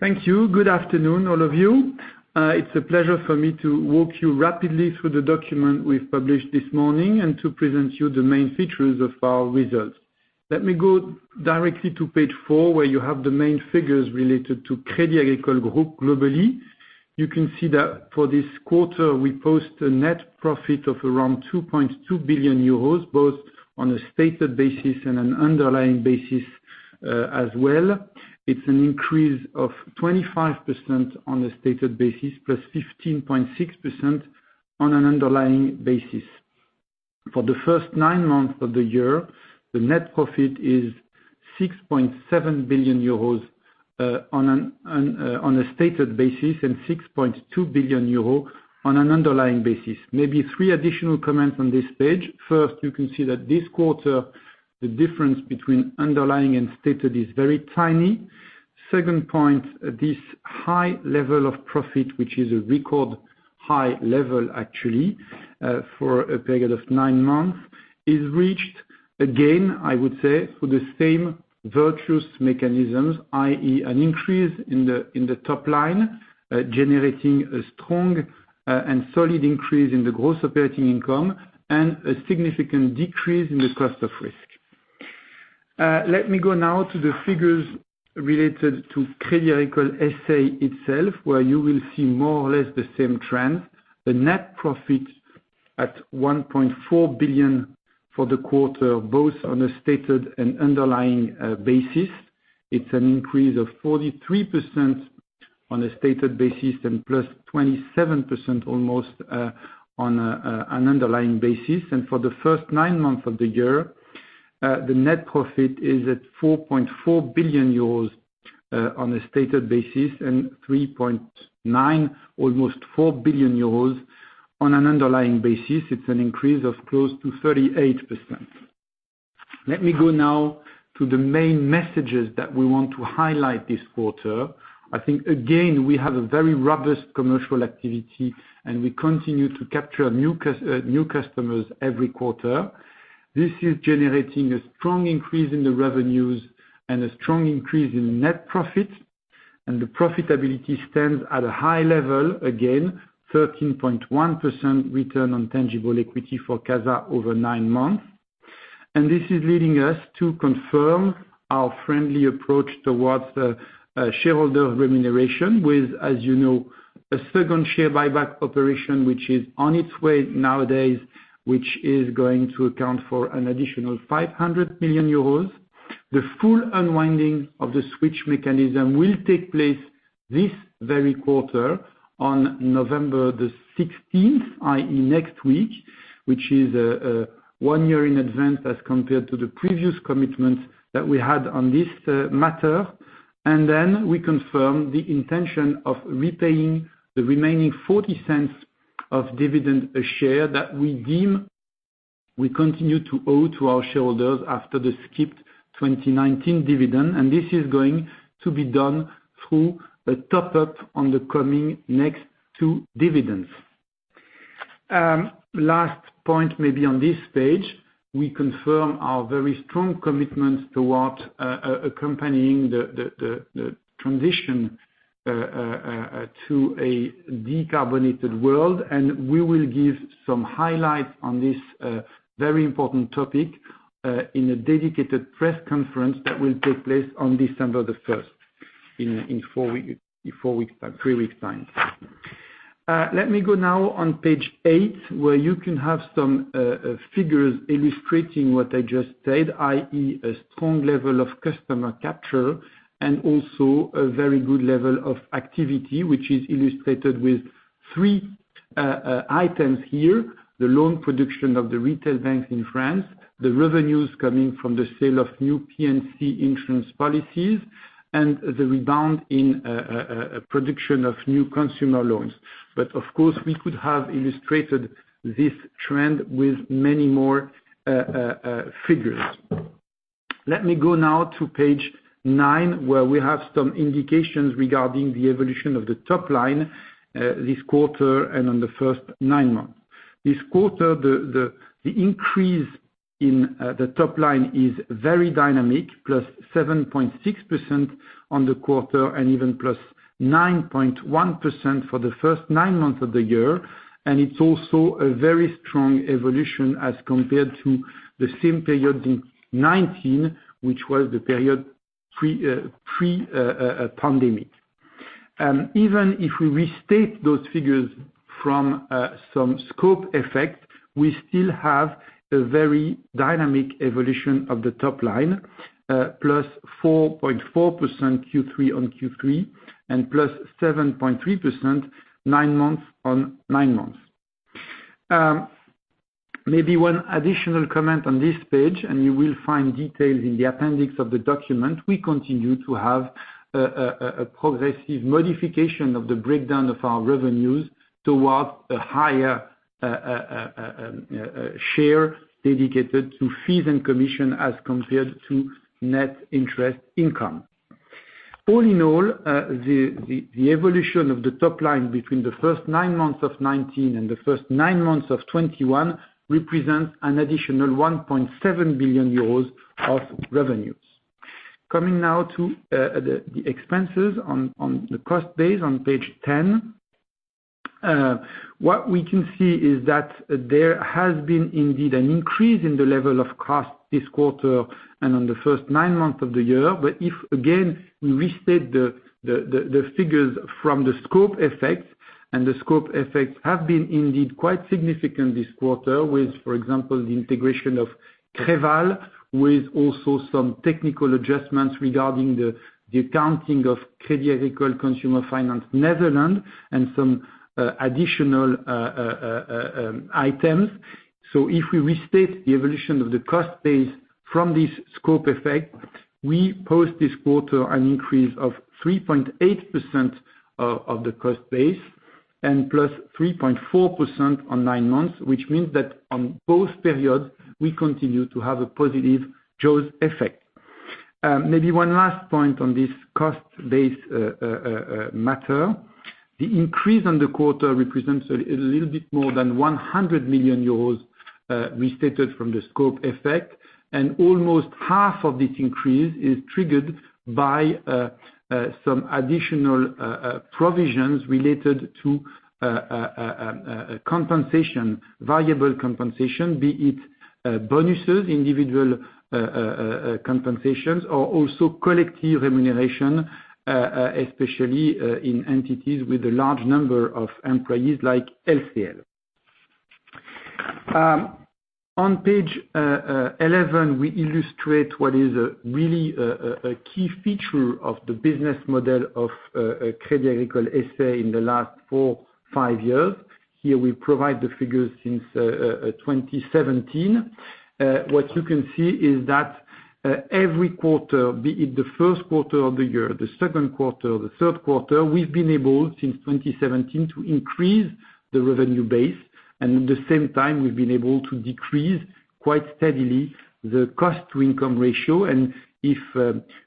Thank you. Good afternoon, all of you. It's a pleasure for me to walk you rapidly through the document we've published this morning, and to present you the main features of our results. Let me go directly to page four, where you have the main figures related to Crédit Agricole Group globally. You can see that for this quarter, we post a net profit of around 2.2 billion euros, both on a stated basis and an underlying basis, as well. It's an increase of 25% on a stated basis, plus 15.6% on an underlying basis. For the first nine months of the year, the net profit is 6.7 billion euros on a stated basis, and 6.2 billion euros on an underlying basis. Maybe three additional comments on this page. First, you can see that this quarter, the difference between underlying and stated is very tiny. Second point, this high level of profit, which is a record high level actually, for a period of nine months, is reached again, I would say, for the same virtuous mechanisms, i.e., an increase in the top line, generating a strong and solid increase in the gross operating income, and a significant decrease in the cost of risk. Let me go now to the figures related to Crédit Agricole S.A. itself, where you will see more or less the same trend. The net profit at 1.4 billion for the quarter, both on a stated and underlying basis. It's an increase of 43% on a stated basis, and plus 27% almost on an underlying basis. For the first nine months of the year, the net profit is at 4.4 billion euros on a stated basis, and 3.9 billion, almost 4 billion euros on an underlying basis. It's an increase of close to 38%. Let me go now to the main messages that we want to highlight this quarter. I think, again, we have a very robust commercial activity, and we continue to capture new customers every quarter. This is generating a strong increase in the revenues and a strong increase in net profit, and the profitability stands at a high level, again, 13.1% return on tangible equity for CASA over nine months. This is leading us to confirm our friendly approach towards a shareholder remuneration with, as you know, a second share buyback operation which is on its way nowadays, which is going to account for an additional 500 million euros. The full unwinding of the switch mechanism will take place this very quarter on November 16, i.e., next week, which is one year in advance as compared to the previous commitments that we had on this matter. Then we confirm the intention of repaying the remaining 0.40 of dividend a share that we deem we continue to owe to our shareholders after the skipped 2019 dividend, and this is going to be done through a top-up on the coming next two dividends. Last point maybe on this page, we confirm our very strong commitment towards accompanying the transition to a decarbonated world, and we will give some highlights on this very important topic in a dedicated press conference that will take place on December 1 in three weeks' time. Let me go now on page eight, where you can have some figures illustrating what I just said, i.e., a strong level of customer capture, and also a very good level of activity, which is illustrated with three items here, the loan production of the retail banks in France, the revenues coming from the sale of new P&C insurance policies, and the rebound in a production of new consumer loans. Of course, we could have illustrated this trend with many more figures. Let me go now to page nine, where we have some indications regarding the evolution of the top line this quarter and on the first nine months. This quarter, the increase in the top line is very dynamic, +7.6% on the quarter and even +9.1% for the first nine months of the year. It's also a very strong evolution as compared to the same period in 2019, which was the period pre pandemic. Even if we restate those figures from some scope effect, we still have a very dynamic evolution of the top line, +4.4% Q3 on Q3, and +7.3% nine months on nine months. Maybe one additional comment on this page, and you will find details in the appendix of the document. We continue to have a progressive modification of the breakdown of our revenues towards a higher share dedicated to fees and commission as compared to net interest income. All in all, the evolution of the top line between the first nine months of 2019 and the first nine months of 2021 represents an additional 1.7 billion euros of revenues. Coming now to the expenses on the cost base on page ten. What we can see is that there has been indeed an increase in the level of cost this quarter and on the first nine months of the year. If, again, we restate the figures from the scope effects, and the scope effects have been indeed quite significant this quarter with, for example, the integration of Creval, with also some technical adjustments regarding the accounting of Crédit Agricole Consumer Finance Nederland and some additional items. If we restate the evolution of the cost base from this scope effect, we post this quarter an increase of 3.8% of the cost base, and +3.4% on nine months, which means that on both periods we continue to have a positive jaws effect. Maybe one last point on this cost base matter. The increase on the quarter represents a little bit more than 100 million euros, restated from the scope effect. Almost half of this increase is triggered by some additional provisions related to compensation, variable compensation, be it bonuses, individual compensations, or also collective remuneration, especially in entities with a large number of employees like LCL. On page 11, we illustrate what is really a key feature of the business model of Crédit Agricole S.A. in the last four, five years. Here we provide the figures since 2017. What you can see is that every quarter, be it the first quarter of the year, the second quarter, the third quarter, we've been able, since 2017, to increase the revenue base. At the same time, we've been able to decrease quite steadily the cost-to-income ratio. If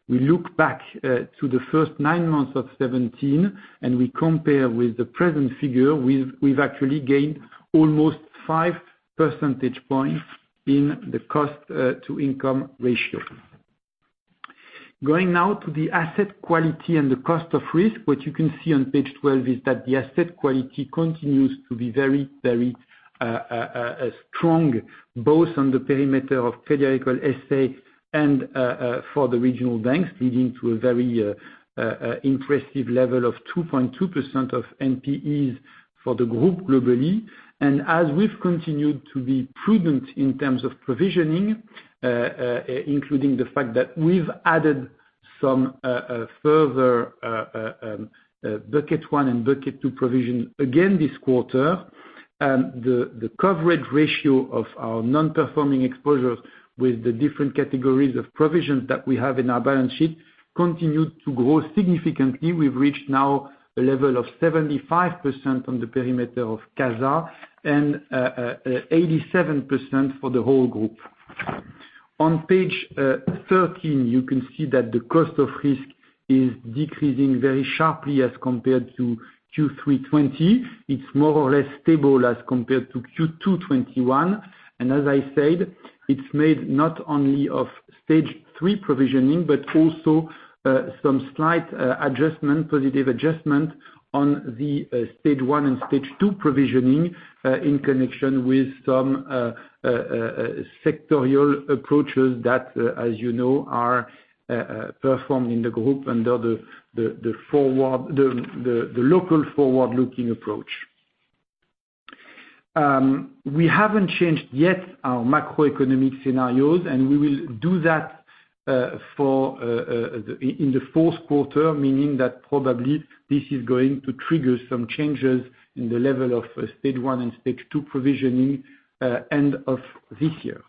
we look back to the first nine months of 2017, and we compare with the present figure, we've actually gained almost five percentage points in the cost to income ratio. Going now to the asset quality and the cost of risk, what you can see on page 12 is that the asset quality continues to be very strong, both on the perimeter of Crédit Agricole S.A. and for the regional banks, leading to a very impressive level of 2.2% of NPEs for the group globally. As we've continued to be prudent in terms of provisioning, including the fact that we've added some further bucket one and bucket two provision again this quarter, the coverage ratio of our non-performing exposures with the different categories of provisions that we have in our balance sheet continued to grow significantly. We've reached now a level of 75% on the perimeter of CASA and 87% for the whole group. On page 13, you can see that the cost of risk is decreasing very sharply as compared to Q3 2020. It's more or less stable as compared to Q2 2021. As I said, it's made not only of Stage 3 provisioning, but also some slight positive adjustment on the Stage 1 and Stage 2 provisioning in connection with some sectoral approaches that, as you know, are performed in the group under the local forward-looking approach. We haven't changed yet our macroeconomic scenarios, and we will do that for the fourth quarter, meaning that probably this is going to trigger some changes in the level of Stage 1 and Stage 2 provisioning end of this year.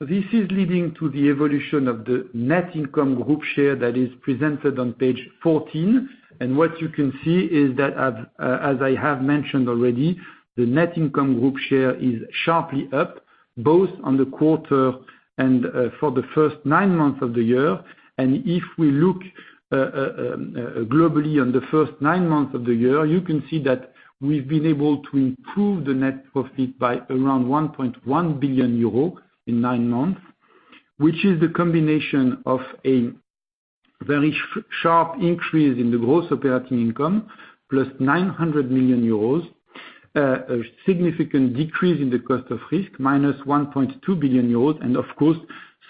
This is leading to the evolution of the net income Group share that is presented on page 14, and what you can see is that, as I have mentioned already, the net income Group share is sharply up, both on the quarter and for the first nine months of the year. If we look globally on the first nine months of the year, you can see that we've been able to improve the net profit by around 1.1 billion euros in nine months, which is the combination of a very sharp increase in the gross operating income plus 900 million euros, a significant decrease in the cost of risk minus 1.2 billion euros, and of course,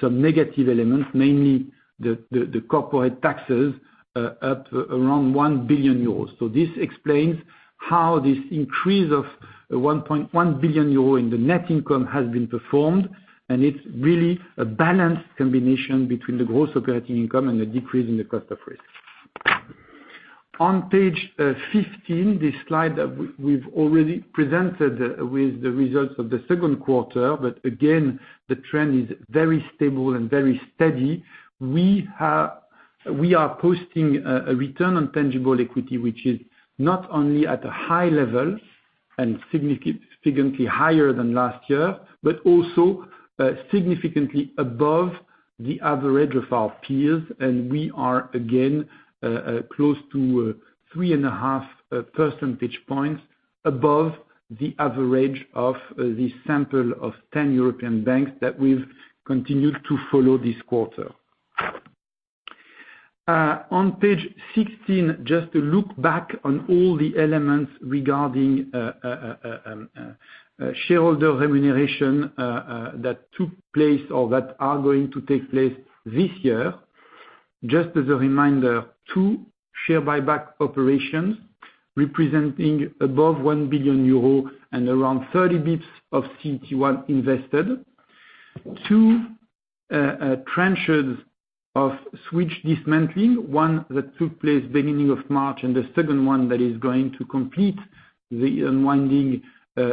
some negative elements, mainly the corporate taxes up around 1 billion euros. This explains how this increase of 1.1 billion euros in the net income has been performed, and it's really a balanced combination between the gross operating income and the decrease in the cost of risk. On page 15, this slide we've already presented with the results of the second quarter, but again, the trend is very stable and very steady. We are posting a return on tangible equity, which is not only at a high level and significantly higher than last year, but also significantly above the average of our peers, and we are again close to 3.5 percentage points above the average of the sample of 10 European banks that we've continued to follow this quarter. On page 16, just to look back on all the elements regarding shareholder remuneration that took place or that are going to take place this year. Just as a reminder, two share buyback operations representing above 1 billion euro and around 30 basis points of CET1 invested. Two trenches of switch dismantling, one that took place beginning of March, and the second one that is going to complete the unwinding,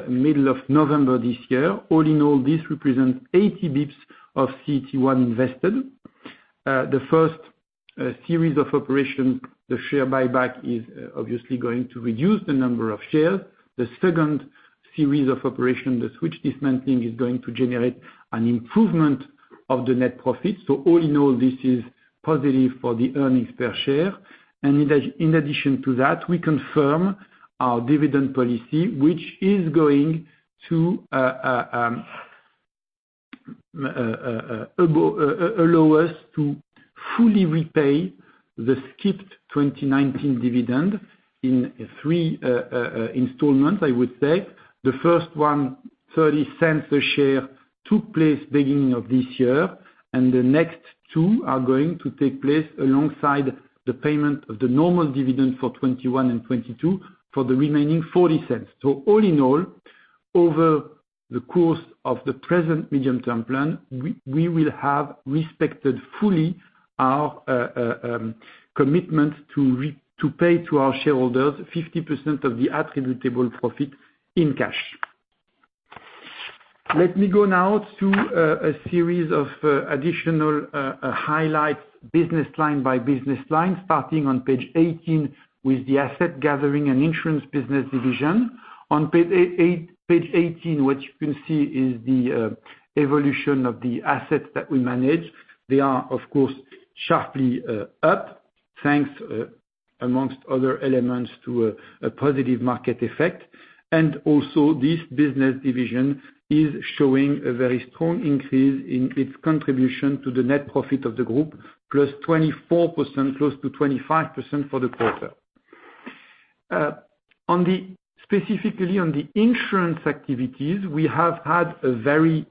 middle of November this year. All in all, this represents 80 BPS of CET1 invested. The first series of operations, the share buyback is obviously going to reduce the number of shares. The second series of operation, the switch dismantling, is going to generate an improvement of the net profit. All in all, this is positive for the earnings per share. In addition to that, we confirm our dividend policy, which is going to allow us to fully repay the skipped 2019 dividend in three installments, I would say. The first one, €0.30 per share, took place beginning of this year, and the next two are going to take place alongside the payment of the normal dividend for 2021 and 2022 for the remaining €0.40. All in all, over the course of the present medium-term plan, we will have respected fully our commitment to pay to our shareholders 50% of the attributable profit in cash. Let me go now to a series of additional highlights, business line by business line, starting on page 18 with the asset gathering and insurance business division. On page 18, what you can see is the evolution of the assets that we manage. They are, of course, sharply up, thanks among other elements, to a positive market effect. This business division is showing a very strong increase in its contribution to the net profit of the group, +24%, close to 25% for the quarter. Specifically on the insurance activities, we have had a very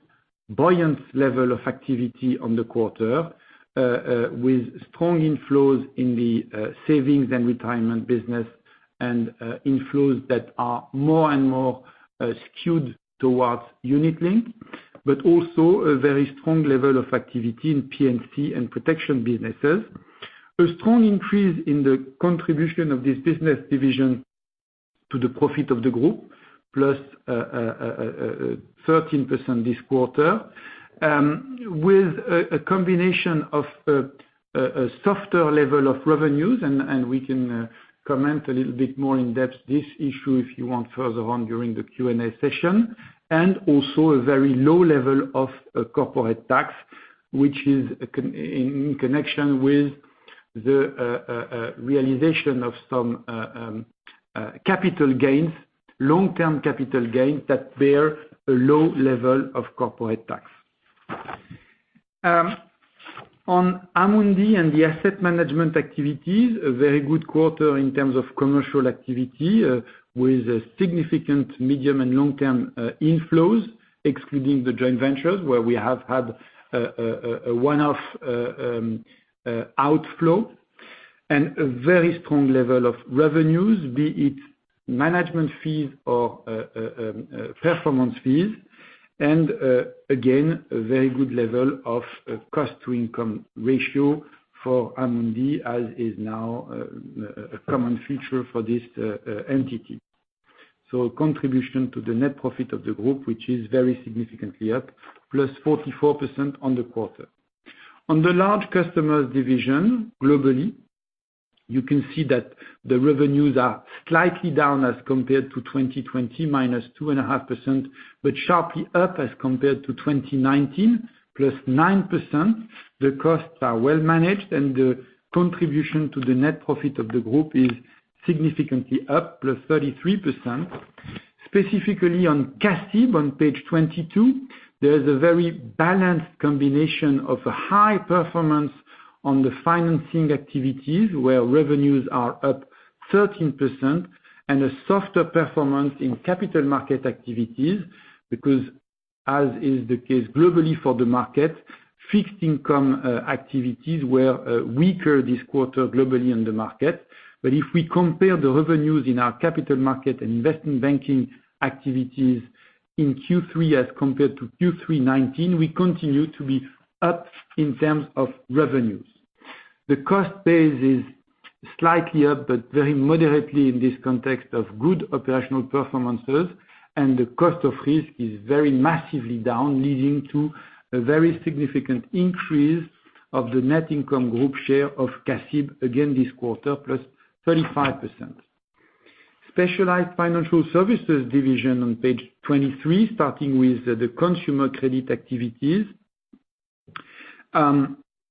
buoyant level of activity on the quarter, with strong inflows in the savings and retirement business and inflows that are more and more skewed towards unit-linked, but also a very strong level of activity in P&C and protection businesses. A strong increase in the contribution of this business division to the profit of the group, plus 13% this quarter, with a combination of a softer level of revenues, and we can comment a little bit more in depth this issue if you want further on during the Q and A session, and also a very low level of corporate tax, which is in connection with the realization of some capital gains, long-term capital gains that bear a low level of corporate tax. On Amundi and the asset management activities, a very good quarter in terms of commercial activity, with significant medium and long-term inflows, excluding the joint ventures, where we have had a one-off outflow, and a very strong level of revenues, be it management fees or performance fees. Again, a very good level of cost-to-income ratio for Amundi, as is now a common feature for this entity. Contribution to the net profit of the group, which is very significantly up, plus 44% on the quarter. On the large customers division, globally, you can see that the revenues are slightly down as compared to 2020, minus 2.5%, but sharply up as compared to 2019, plus 9%. The costs are well managed, and the contribution to the net profit of the group is significantly up +33%. Specifically on CACIB on page 22, there is a very balanced combination of a high performance on the financing activities, where revenues are up 13% and a softer performance in capital market activities. Because as is the case globally for the market, fixed income activities were weaker this quarter globally on the market. But if we compare the revenues in our capital market and investment banking activities in Q3 as compared to Q3 2019, we continue to be up in terms of revenues. The cost base is slightly up, but very moderately in this context of good operational performances. The cost of risk is very massively down, leading to a very significant increase of the net income group share of CACIB again this quarter, plus 35%. Specialized financial services division on page 23, starting with the consumer credit activities.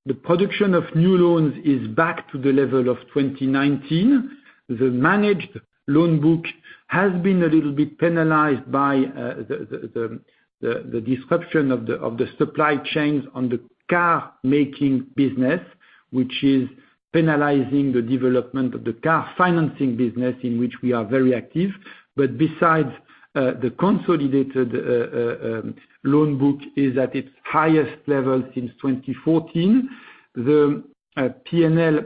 The production of new loans is back to the level of 2019. The managed loan book has been a little bit penalized by the disruption of the supply chains on the car-making business, which is penalizing the development of the car financing business, in which we are very active. Besides, the consolidated loan book is at its highest level since 2014. The P&L,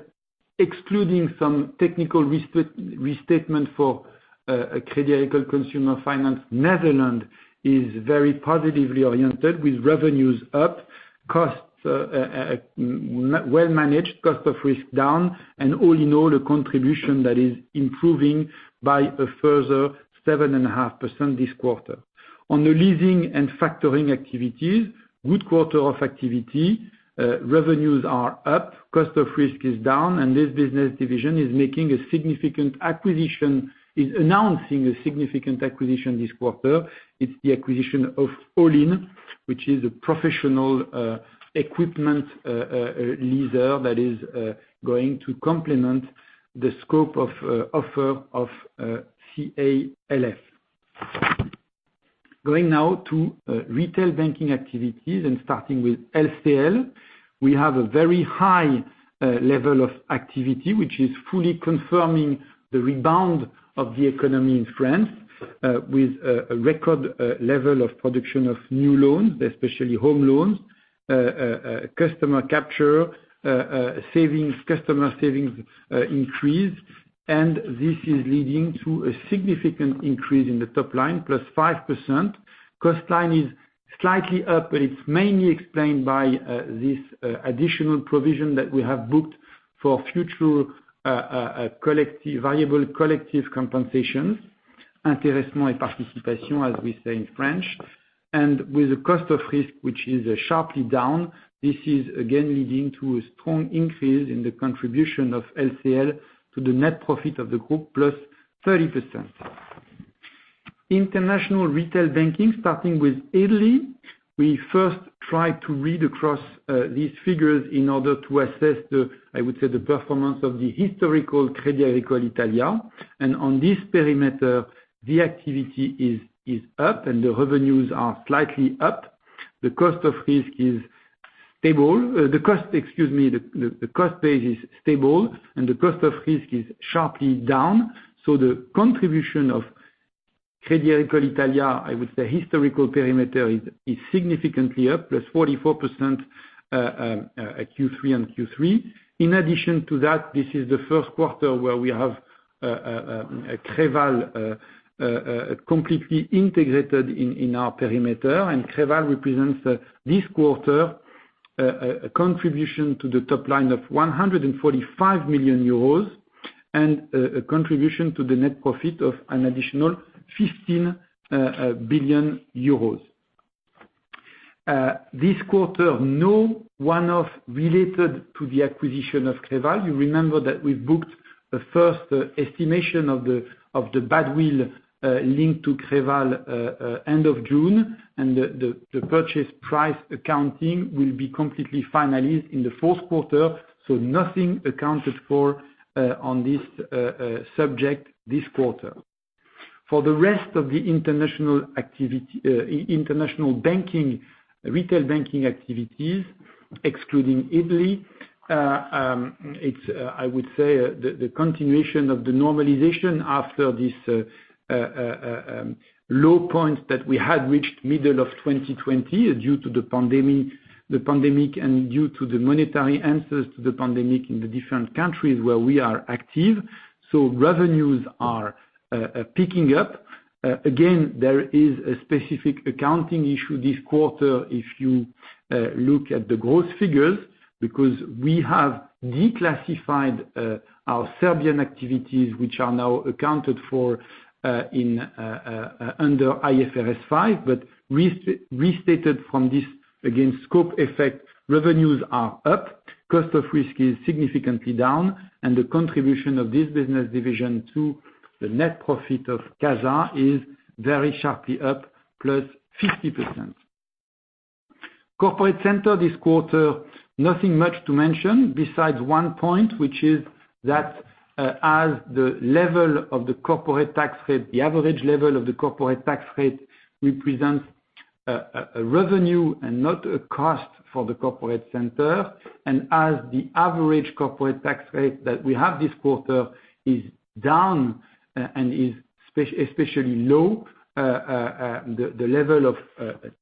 excluding some technical restatement for Crédit Agricole Consumer Finance, Netherlands is very positively oriented with revenues up, costs well-managed, cost of risk down, and all in all, a contribution that is improving by a further 7.5% this quarter. On the leasing and factoring activities, good quarter of activity, revenues are up, cost of risk is down, and this business division is announcing a significant acquisition this quarter. It's the acquisition of Olinn, which is a professional equipment leaser that is going to complement the scope of offer of CALF. Going now to retail banking activities and starting with LCL, we have a very high level of activity, which is fully confirming the rebound of the economy in France, with a record level of production of new loans, especially home loans, customer capture, savings, customer savings increase. This is leading to a significant increase in the top line, plus 5%. Cost line is slightly up, but it's mainly explained by this additional provision that we have booked for future collective variable compensations, as we say in French. With the cost of risk, which is sharply down, this is again leading to a strong increase in the contribution of LCL to the net profit of the group plus 30%. International retail banking, starting with Italy, we first try to read across these figures in order to assess the, I would say, the performance of the historical Crédit Agricole Italia. On this perimeter, the activity is up, and the revenues are slightly up. The cost of risk is stable. The cost base is stable, and the cost of risk is sharply down. The contribution of Crédit Agricole Italia, I would say, historical perimeter is significantly up, plus 44%, Q3 on Q3. In addition to that, this is the first quarter where we have a Creval completely integrated in our perimeter. Creval represents this quarter a contribution to the top line of 145 million euros, and a contribution to the net profit of an additional 15 billion euros. This quarter, no one-off related to the acquisition of Creval. You remember that we booked the first estimation of the bad will linked to Creval end of June, and the purchase price accounting will be completely finalized in the fourth quarter, so nothing accounted for on this subject this quarter. For the rest of the international banking, retail banking activities, excluding Italy, it's I would say the continuation of the normalization after this low point that we had reached middle of 2020 due to the pandemic and due to the monetary answers to the pandemic in the different countries where we are active. Revenues are picking up. Again, there is a specific accounting issue this quarter if you look at the gross figures, because we have declassified our Serbian activities, which are now accounted for under IFRS 5, but restated from this, again, scope effect, revenues are up, cost of risk is significantly down, and the contribution of this business division to the net profit of CASA is very sharply up +50%. Corporate center this quarter, nothing much to mention besides one point, which is that as the average level of the corporate tax rate represents a revenue and not a cost for the corporate center. As the average corporate tax rate that we have this quarter is down and is especially low, the level of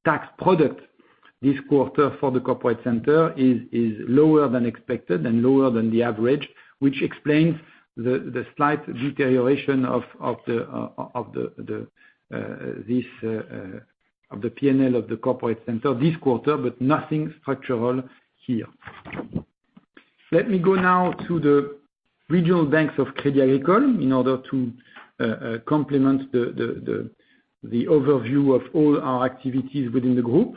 tax profit this quarter for the corporate center is lower than expected and lower than the average, which explains the slight deterioration of the PNL of the corporate center this quarter, but nothing structural here. Let me go now to the regional banks of Crédit Agricole in order to complement the overview of all our activities within the group.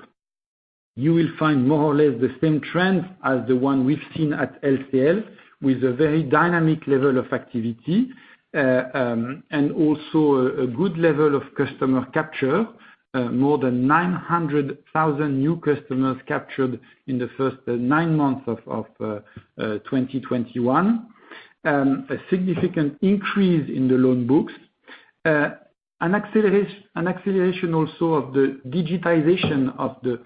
You will find more or less the same trends as the one we've seen at LCL, with a very dynamic level of activity, and also a good level of customer capture. More than 900,000 new customers captured in the first nine months of 2021. A significant increase in the loan books, an acceleration also of the digitization of the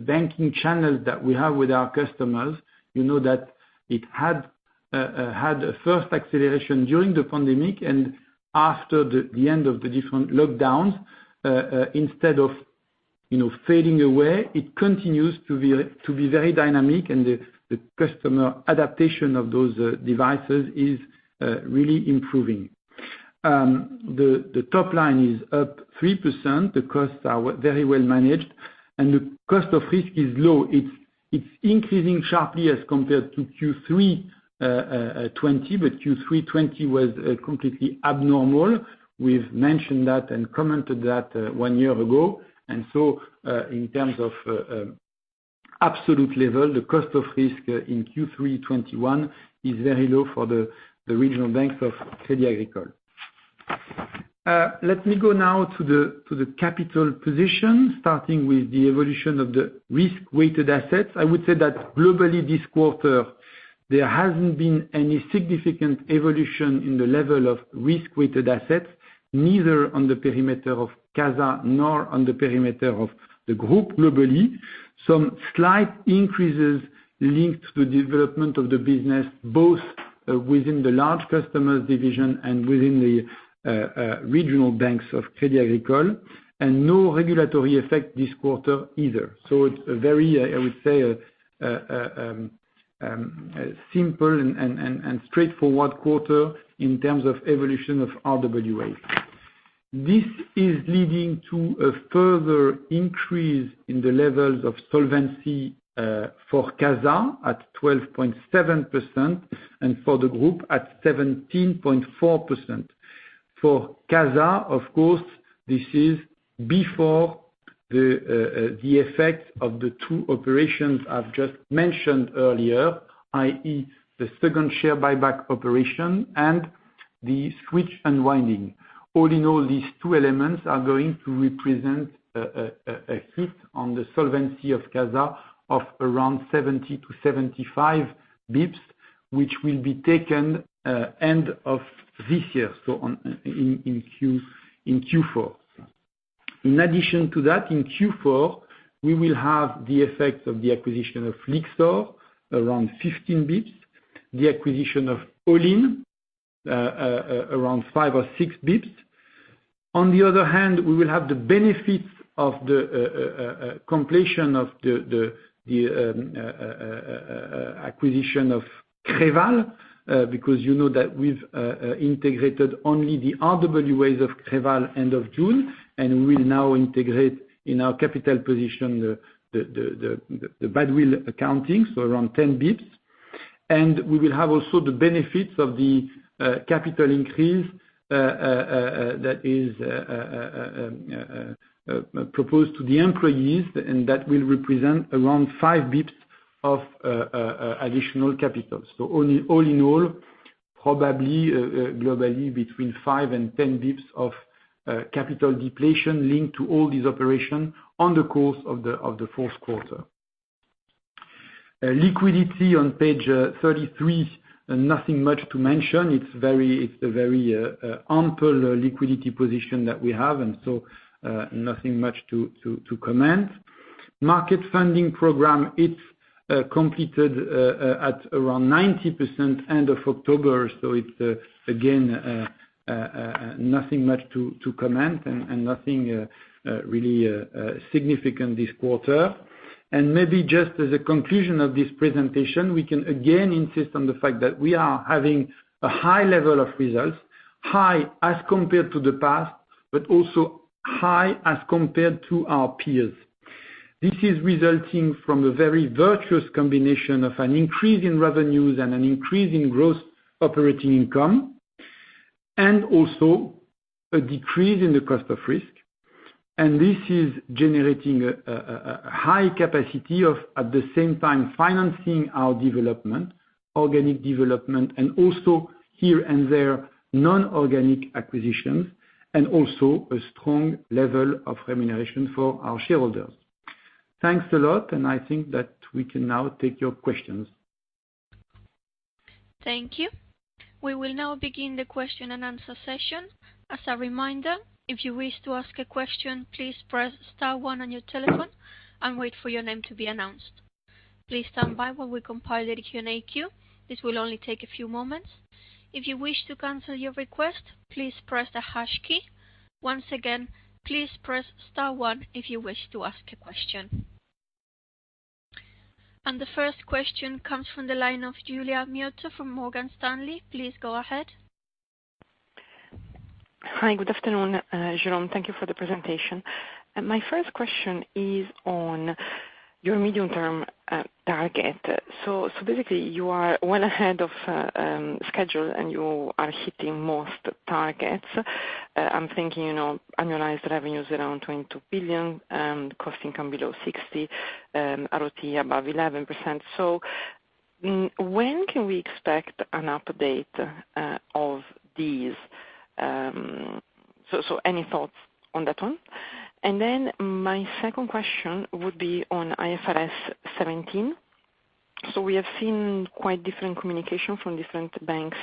banking channels that we have with our customers. You know, that it had a first acceleration during the pandemic and after the end of the different lockdowns, instead of, you know, fading away, it continues to be very dynamic. The customer adaptation of those devices is really improving. The top line is up 3%, the costs are very well managed, and the cost of risk is low. It's increasing sharply as compared to Q3 2020, but Q3 2020 was completely abnormal. We've mentioned that and commented that one year ago. In terms of absolute level, the cost of risk in Q3 2021 is very low for the regional banks of Crédit Agricole. Let me go now to the capital position, starting with the evolution of the risk-weighted assets. I would say that globally this quarter, there hasn't been any significant evolution in the level of risk-weighted assets, neither on the perimeter of CASA nor on the perimeter of the group globally. Some slight increases linked to development of the business, both within the large customers division and within the regional banks of Crédit Agricole, and no regulatory effect this quarter either. It's a very, I would say, simple and straightforward quarter in terms of evolution of RWA. This is leading to a further increase in the levels of solvency for CASA at 12.7%, and for the group, at 17.4%. For CASA, of course, this is before the effect of the two operations I've just mentioned earlier, i.e., the second share buyback operation and the switch unwinding. All in all, these two elements are going to represent a hit on the solvency of CASA of around 70-75 basis points, which will be taken end of this year, so in Q4. In addition to that, in Q4, we will have the effect of the acquisition of Lyxor around 15 basis points, the acquisition of Olinn around 5 or 6 basis points. On the other hand, we will have the benefits of the completion of the acquisition of Creval, because you know that we've integrated only the RWAs of Creval end of June, and we'll now integrate in our capital position the goodwill accounting, so around 10 basis points. We will have also the benefits of the capital increase that is proposed to the employees, and that will represent around 5 basis points of additional capital. Only, all in all, probably globally between 5 and 10 basis points of capital depletion linked to all these operations in the course of the fourth quarter. Liquidity on page 33, nothing much to mention. It's a very ample liquidity position that we have, and nothing much to comment. Market funding program, it's completed at around 90% end of October. It again nothing much to comment and nothing really significant this quarter. Maybe just as a conclusion of this presentation, we can again insist on the fact that we are having a high level of results, high as compared to the past, but also high as compared to our peers. This is resulting from a very virtuous combination of an increase in revenues and an increase in gross operating income, and also a decrease in the cost of risk. This is generating a high capacity of, at the same time, financing our development, organic development, and also here and there, non-organic acquisitions, and also a strong level of remuneration for our shareholders. Thanks a lot, and I think that we can now take your questions. Thank you. We will now begin the question-and-answer session. As a reminder, if you wish to ask a question, please press star one on your telephone and wait for your name to be announced. Please stand by while we compile the Q and A queue. This will only take a few moments. If you wish to cancel your request, please press the hash key. Once again, please press star one if you wish to ask a question. The first question comes from the line of Giulia Miotto from Morgan Stanley. Please go ahead. Hi. Good afternoon, Jérôme. Thank you for the presentation. My first question is on your medium-term target. Basically, you are well ahead of schedule, and you are hitting most targets. I'm thinking, you know, annualized revenues around 22 billion, cost income below 60%, ROT above 11%. When can we expect an update of these? Any thoughts on that one? My second question would be on IFRS 17. We have seen quite different communication from different banks,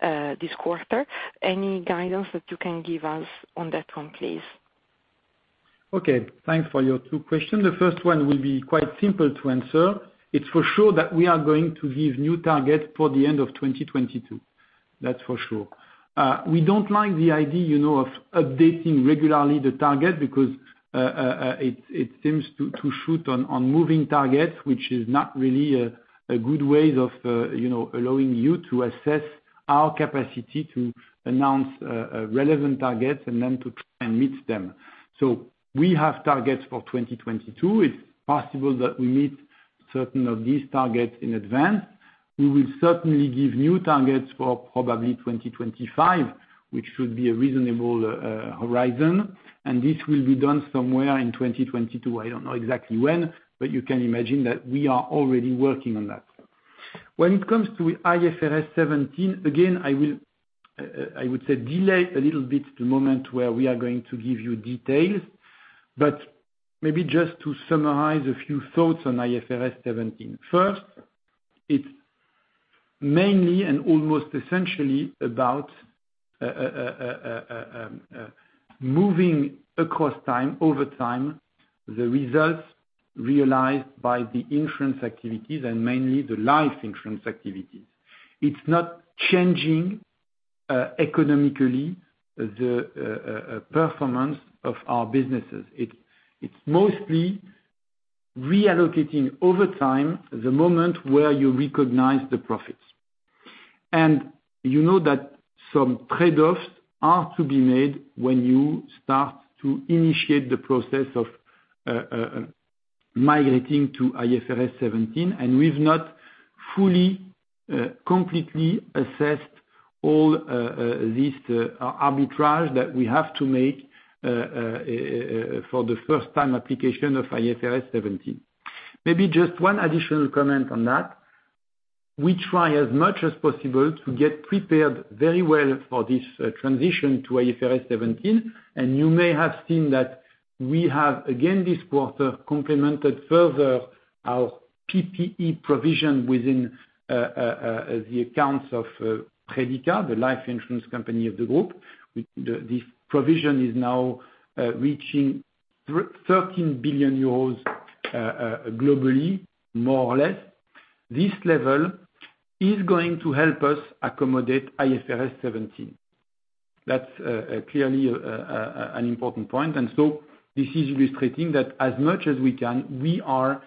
this quarter. Any guidance that you can give us on that one, please? Okay. Thanks for your two questions. The first one will be quite simple to answer. It's for sure that we are going to give new targets for the end of 2022. That's for sure. We don't like the idea, you know, of updating regularly the target because it seems to shoot on moving targets, which is not really a good way of, you know, allowing you to assess our capacity to announce a relevant target and then to try and meet them. So we have targets for 2022. It's possible that we meet certain of these targets in advance. We will certainly give new targets for probably 2025, which should be a reasonable horizon. This will be done somewhere in 2022. I don't know exactly when, but you can imagine that we are already working on that. When it comes to IFRS 17, again, I would say delay a little bit the moment where we are going to give you details, but maybe just to summarize a few thoughts on IFRS 17. First, it's mainly and almost essentially about moving across time, over time, the results realized by the insurance activities and mainly the life insurance activities. It's not changing economically the performance of our businesses. It's mostly reallocating over time the moment where you recognize the profits. You know that some trade-offs are to be made when you start to initiate the process of migrating to IFRS 17, and we've not fully completely assessed all this arbitrage that we have to make for the first time application of IFRS 17. Maybe just one additional comment on that. We try as much as possible to get prepared very well for this transition to IFRS 17. You may have seen that we have, again, this quarter, complemented further our PPE provision within the accounts of Predica, the life insurance company of the group. This provision is now reaching 13 billion euros, globally, more or less. This level is going to help us accommodate IFRS 17. That's clearly an important point. This is illustrating that as much as we can, we are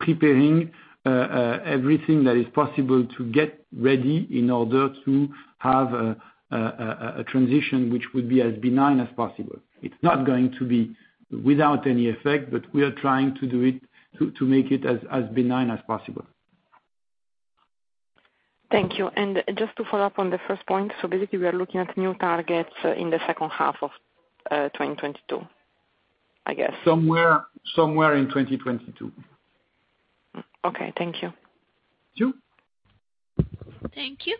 preparing everything that is possible to get ready in order to have a transition which would be as benign as possible. It's not going to be without any effect, but we are trying to do it to make it as benign as possible. Thank you. Just to follow up on the first point, so basically we are looking at new targets in the second half of 2022, I guess. Somewhere in 2022. Okay. Thank you. Sure. Thank you.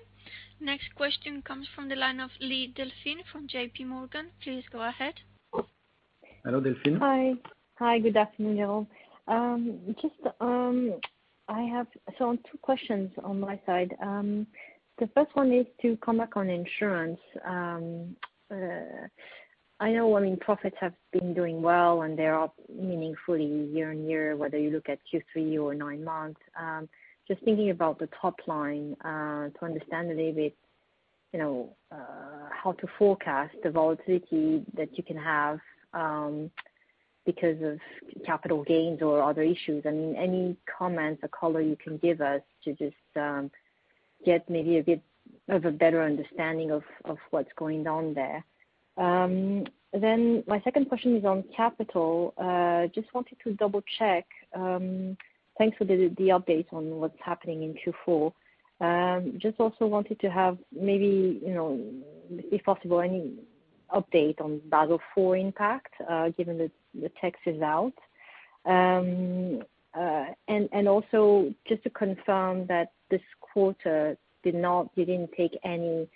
Next question comes from the line of Delphine Lee from J.P. Morgan. Please go ahead. Hello, Delphine. Hi. Hi, good afternoon, y'all. Just two questions on my side. The first one is to come back on insurance. I know, I mean, profits have been doing well and they are meaningfully year-over-year, whether you look at Q3 or nine months. Just thinking about the top line, to understand a little bit, you know, how to forecast the volatility that you can have, because of capital gains or other issues. I mean, any comments or color you can give us to just get maybe a bit of a better understanding of what's going on there. My second question is on capital. Just wanted to double-check. Thanks for the update on what's happening in Q4. Just also wanted to have maybe, you know, if possible, any update on Basel IV impact, given the text is out. And also just to confirm that this quarter you didn't take any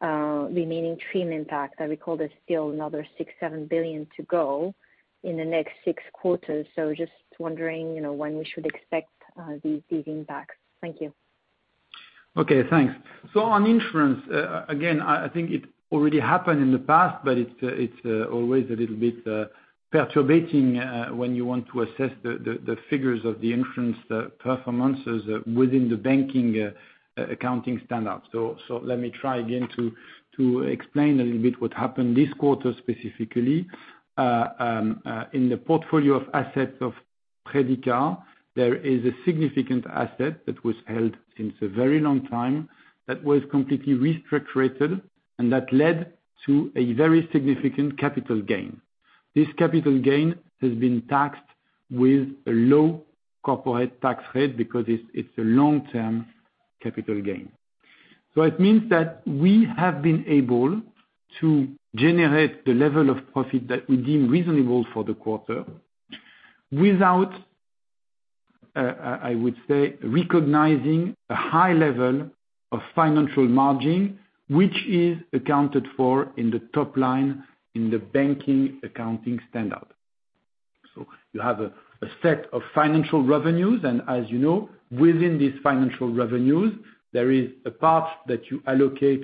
remaining trim impact. I recall there's still another 6-7 billion to go in the next six quarters. So just wondering, you know, when we should expect these impacts. Thank you. Okay, thanks. On insurance, again, I think it already happened in the past, but it's always a little bit perturbing when you want to assess the figures of the insurance, the performances within the banking accounting standards. Let me try again to explain a little bit what happened this quarter specifically. In the portfolio of assets of Predica, there is a significant asset that was held since a very long time that was completely restructured, and that led to a very significant capital gain. This capital gain has been taxed with a low corporate tax rate because it's a long-term capital gain. It means that we have been able to generate the level of profit that we deem reasonable for the quarter without, I would say, recognizing a high level of financial margin, which is accounted for in the top line in the banking accounting standard. You have a set of financial revenues, and as you know, within these financial revenues, there is a part that you allocate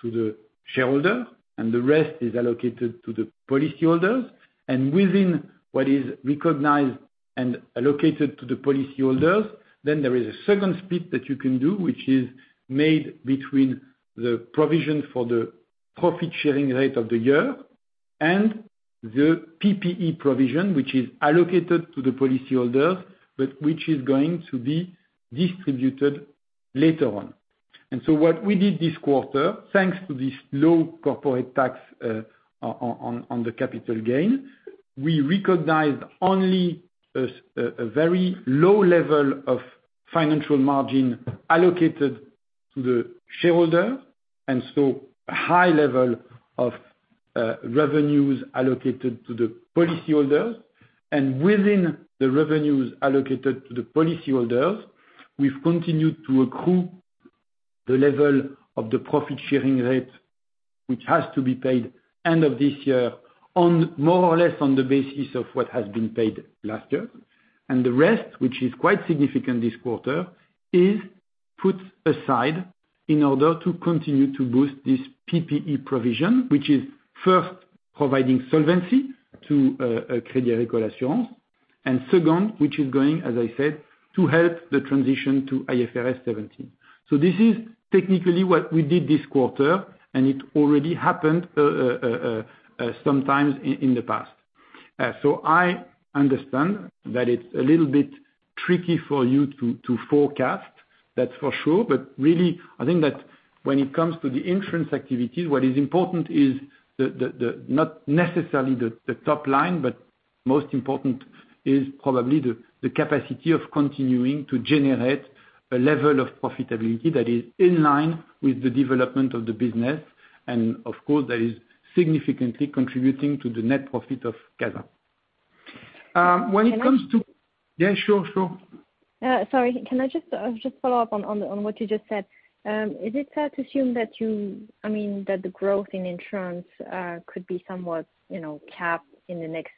to the shareholder, and the rest is allocated to the policy holders. Within what is recognized and allocated to the policy holders, there is a second split that you can do, which is made between the provision for the profit-sharing rate of the year and the PPE provision, which is allocated to the policy holder, but which is going to be distributed later on. What we did this quarter, thanks to this low corporate tax on the capital gain, we recognized only a very low level of financial margin allocated to the shareholder, and so a high level of revenues allocated to the policy holders. Within the revenues allocated to the policy holders, we've continued to accrue the level of the profit-sharing rate, which has to be paid end of this year more or less on the basis of what has been paid last year. The rest, which is quite significant this quarter, is put aside in order to continue to boost this PPE provision, which is first providing solvency to Crédit Agricole Assurances, and second, which is going, as I said, to help the transition to IFRS 17. This is technically what we did this quarter, and it already happened, sometimes in the past. I understand that it's a little bit tricky for you to forecast, that's for sure. Really, I think that when it comes to the insurance activities, what is important is not necessarily the top line, but most important is probably the capacity of continuing to generate a level of profitability that is in line with the development of the business, and of course, that is significantly contributing to the net profit of CASA. When it comes to- Can I- Yeah, sure. Sorry, can I just follow up on what you just said? Is it fair to assume that you, I mean, that the growth in insurance could be somewhat, you know, capped in the next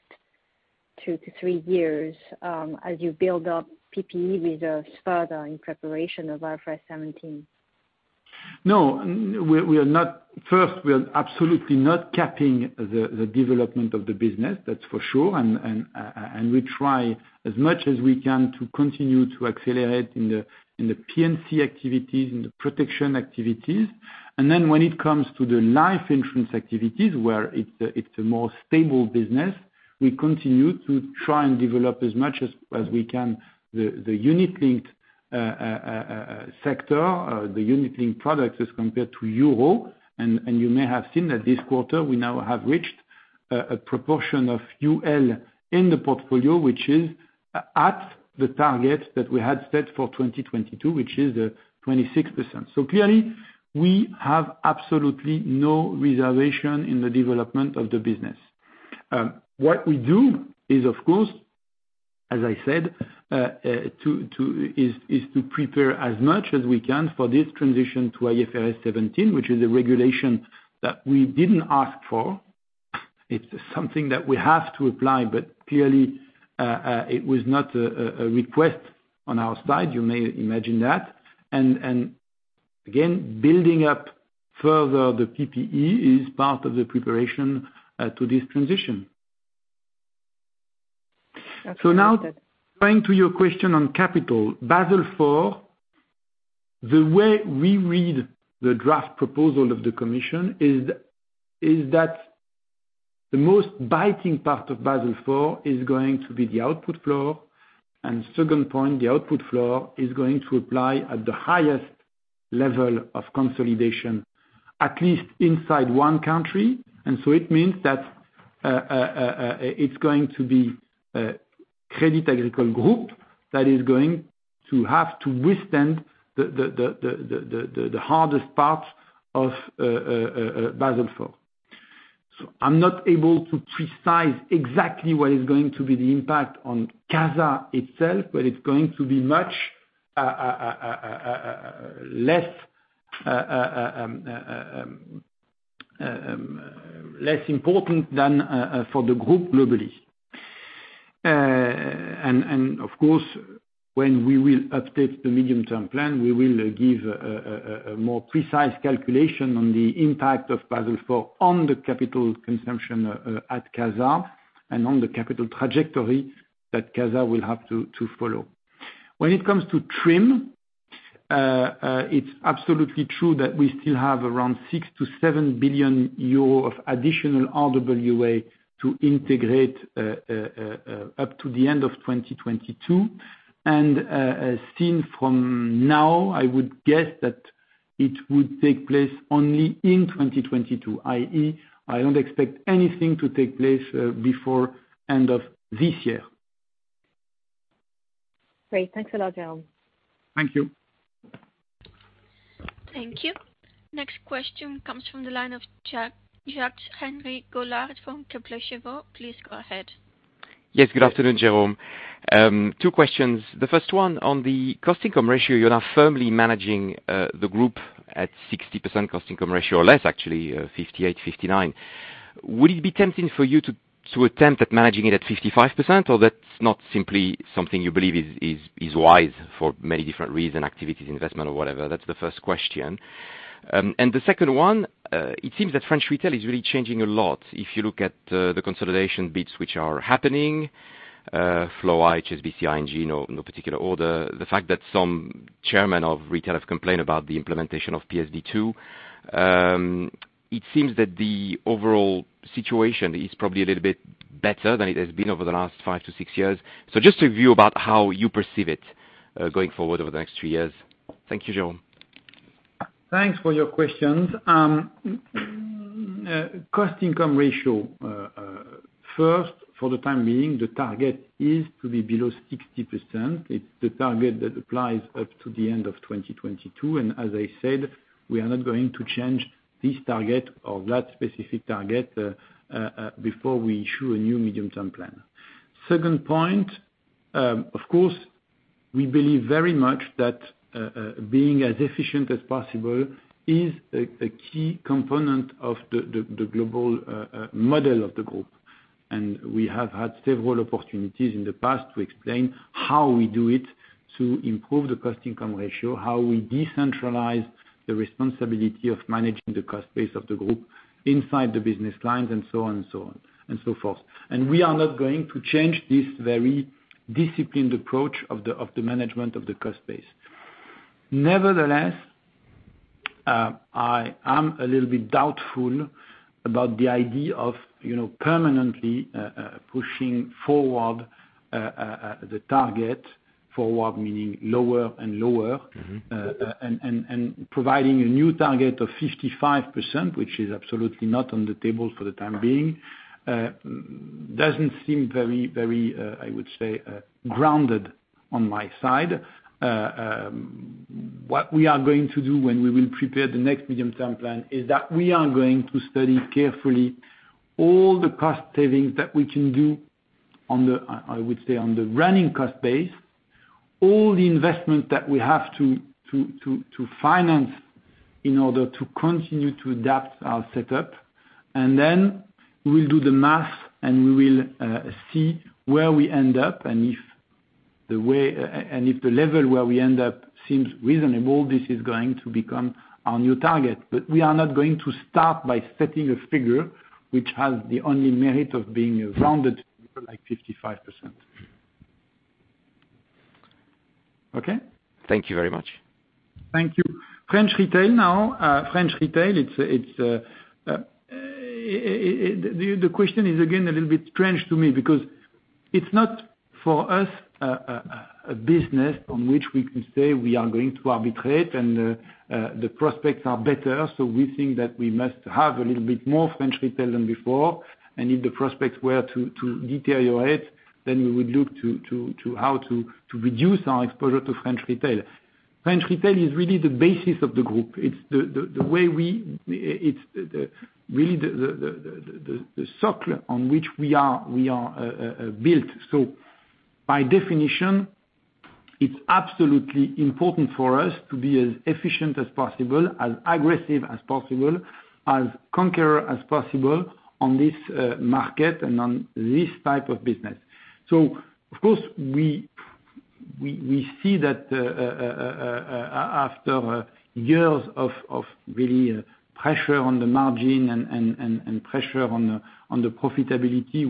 two to three years, as you build up PPE reserves further in preparation of IFRS 17? No, we are not. First, we are absolutely not capping the development of the business, that's for sure. We try as much as we can to continue to accelerate in the P&C activities, in the protection activities. When it comes to the life insurance activities, where it's a more stable business, we continue to try and develop as much as we can the unit-linked sector, the unit-linked products as compared to euro. You may have seen that this quarter we now have reached a proportion of UL in the portfolio, which is at the target that we had set for 2022, which is the 26%. Clearly, we have absolutely no reservation in the development of the business. What we do is, of course, as I said, to prepare as much as we can for this transition to IFRS 17, which is a regulation that we didn't ask for. It's something that we have to apply, but clearly, it was not a request on our side. You may imagine that. Again, building up further the PPE is part of the preparation to this transition. Okay. Now, going to your question on capital. Basel IV, the way we read the draft proposal of the commission is that the most biting part of Basel IV is going to be the output floor, and second point, the output floor is going to apply at the highest level of consolidation, at least inside one country. It means that it's going to be Crédit Agricole Group that is going to have to withstand the hardest part of Basel IV. I'm not able to specify exactly what is going to be the impact on CASA itself, but it's going to be much less important than for the group globally. Of course, when we will update the medium-term plan, we will give a more precise calculation on the impact of Basel IV on the capital consumption at CASA and on the capital trajectory that CASA will have to follow. When it comes to TRIM, it's absolutely true that we still have around 6 billion-7 billion euro of additional RWA to integrate up to the end of 2022. As seen from now, I would guess that it would take place only in 2022, i.e., I don't expect anything to take place before end of this year. Great. Thanks a lot, Jérôme. Thank you. Thank you. Next question comes from the line of Jacques-Henri Gaulard from Kepler Cheuvreux. Please go ahead. Yes. Good afternoon, Jerome. Two questions. The first one on the cost income ratio, you are now firmly managing the group at 60% cost income ratio or less, actually, 58-59%. Would it be tempting for you to attempt at managing it at 55%, or that's not simply something you believe is wise for many different reason, activities, investment or whatever? That's the first question. The second one, it seems that French retail is really changing a lot. If you look at the consolidation bids which are happening, FLOA, HSBC, ING, no particular order, the fact that some chairman of retail have complained about the implementation of PSD2, it seems that the overall situation is probably a little bit better than it has been over the last five-six years. Just a view about how you perceive it, going forward over the next three years. Thank you, Jérôme. Thanks for your questions. Cost income ratio. First, for the time being, the target is to be below 60%. It's the target that applies up to the end of 2022, and as I said, we are not going to change this target or that specific target before we issue a new medium term plan. Second point, of course, we believe very much that being as efficient as possible is a key component of the global model of the group. We have had several opportunities in the past to explain how we do it to improve the cost income ratio, how we decentralize the responsibility of managing the cost base of the group inside the business lines and so on and so on, and so forth. We are not going to change this very disciplined approach of the management of the cost base. Nevertheless, I am a little bit doubtful about the idea of permanently pushing forward the target. Forward meaning lower and lower. Mm-hmm. Providing a new target of 55%, which is absolutely not on the table for the time being, doesn't seem very, I would say, grounded on my side. What we are going to do when we will prepare the next medium term plan is that we are going to study carefully all the cost savings that we can do on the, I would say on the running cost base, all the investment that we have to finance in order to continue to adapt our setup. Then we'll do the math, and we will see where we end up, and if the way, and if the level where we end up seems reasonable, this is going to become our new target. We are not going to start by setting a figure which has the only merit of being rounded, like 55%. Okay? Thank you very much. Thank you. French retail now, it's the question is again a little bit strange to me because it's not for us a business on which we can say we are going to arbitrate and the prospects are better, so we think that we must have a little bit more French retail than before, and if the prospects were to deteriorate, then we would look to how to reduce our exposure to French retail. French retail is really the basis of the group. It's really the circle on which we are built. By definition, it's absolutely important for us to be as efficient as possible, as aggressive as possible, as conquering as possible on this market and on this type of business. Of course we see that after years of really pressure on the margin and pressure on the profitability,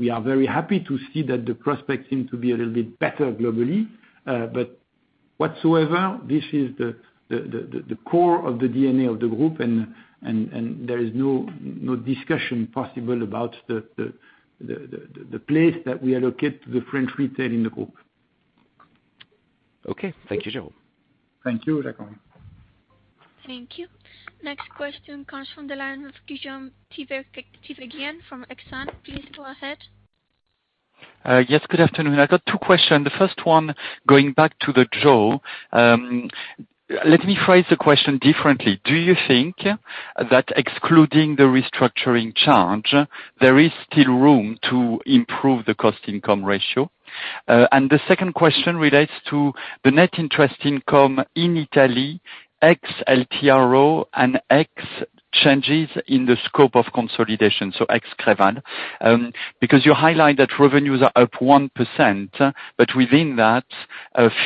we are very happy to see that the prospects seem to be a little bit better globally. Whatsoever, this is the core of the DNA of the group and there is no discussion possible about the place that we allocate to the French retail in the group. Okay. Thank you, Jérôme. Thank you, Jacques-Henri Gaulard. Thank you. Next question comes from the line of Guillaume Tiberghien from Exane. Please go ahead. Yes, good afternoon. I got two questions. The first one, going back to the jaws, let me phrase the question differently. Do you think that excluding the restructuring charge, there is still room to improve the cost income ratio? The second question relates to the net interest income in Italy, ex-TLTRO and ex changes in the scope of consolidation, so ex Creval, because you highlight that revenues are up 1%, but within that,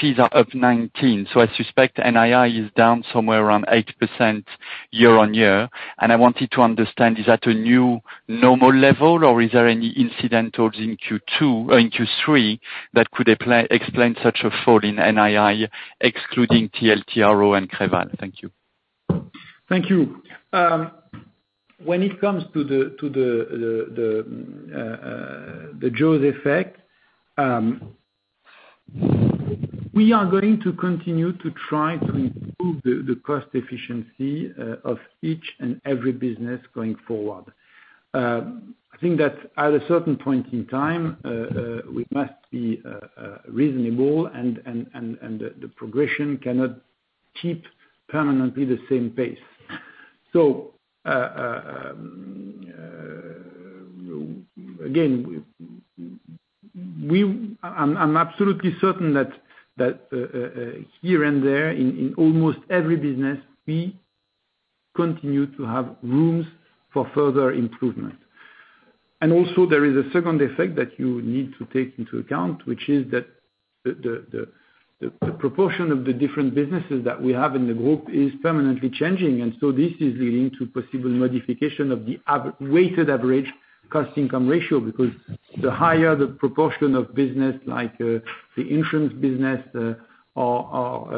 fees are up 19%. I suspect NII is down somewhere around 8% year-over-year and I wanted to understand, is that a new normal level, or is there any incidentals in Q2 in Q3 that could explain such a fall in NII excluding TLTRO and Creval? Thank you. Thank you. When it comes to the jaws effect, we are going to continue to try to improve the cost efficiency of each and every business going forward. I think that at a certain point in time, we must be reasonable and the progression cannot keep permanently the same pace. Again, I'm absolutely certain that here and there in almost every business, we continue to have rooms for further improvement. Also, there is a second effect that you need to take into account, which is that the proportion of the different businesses that we have in the group is permanently changing. This is leading to possible modification of the weighted average cost income ratio, because the higher the proportion of business like the insurance business or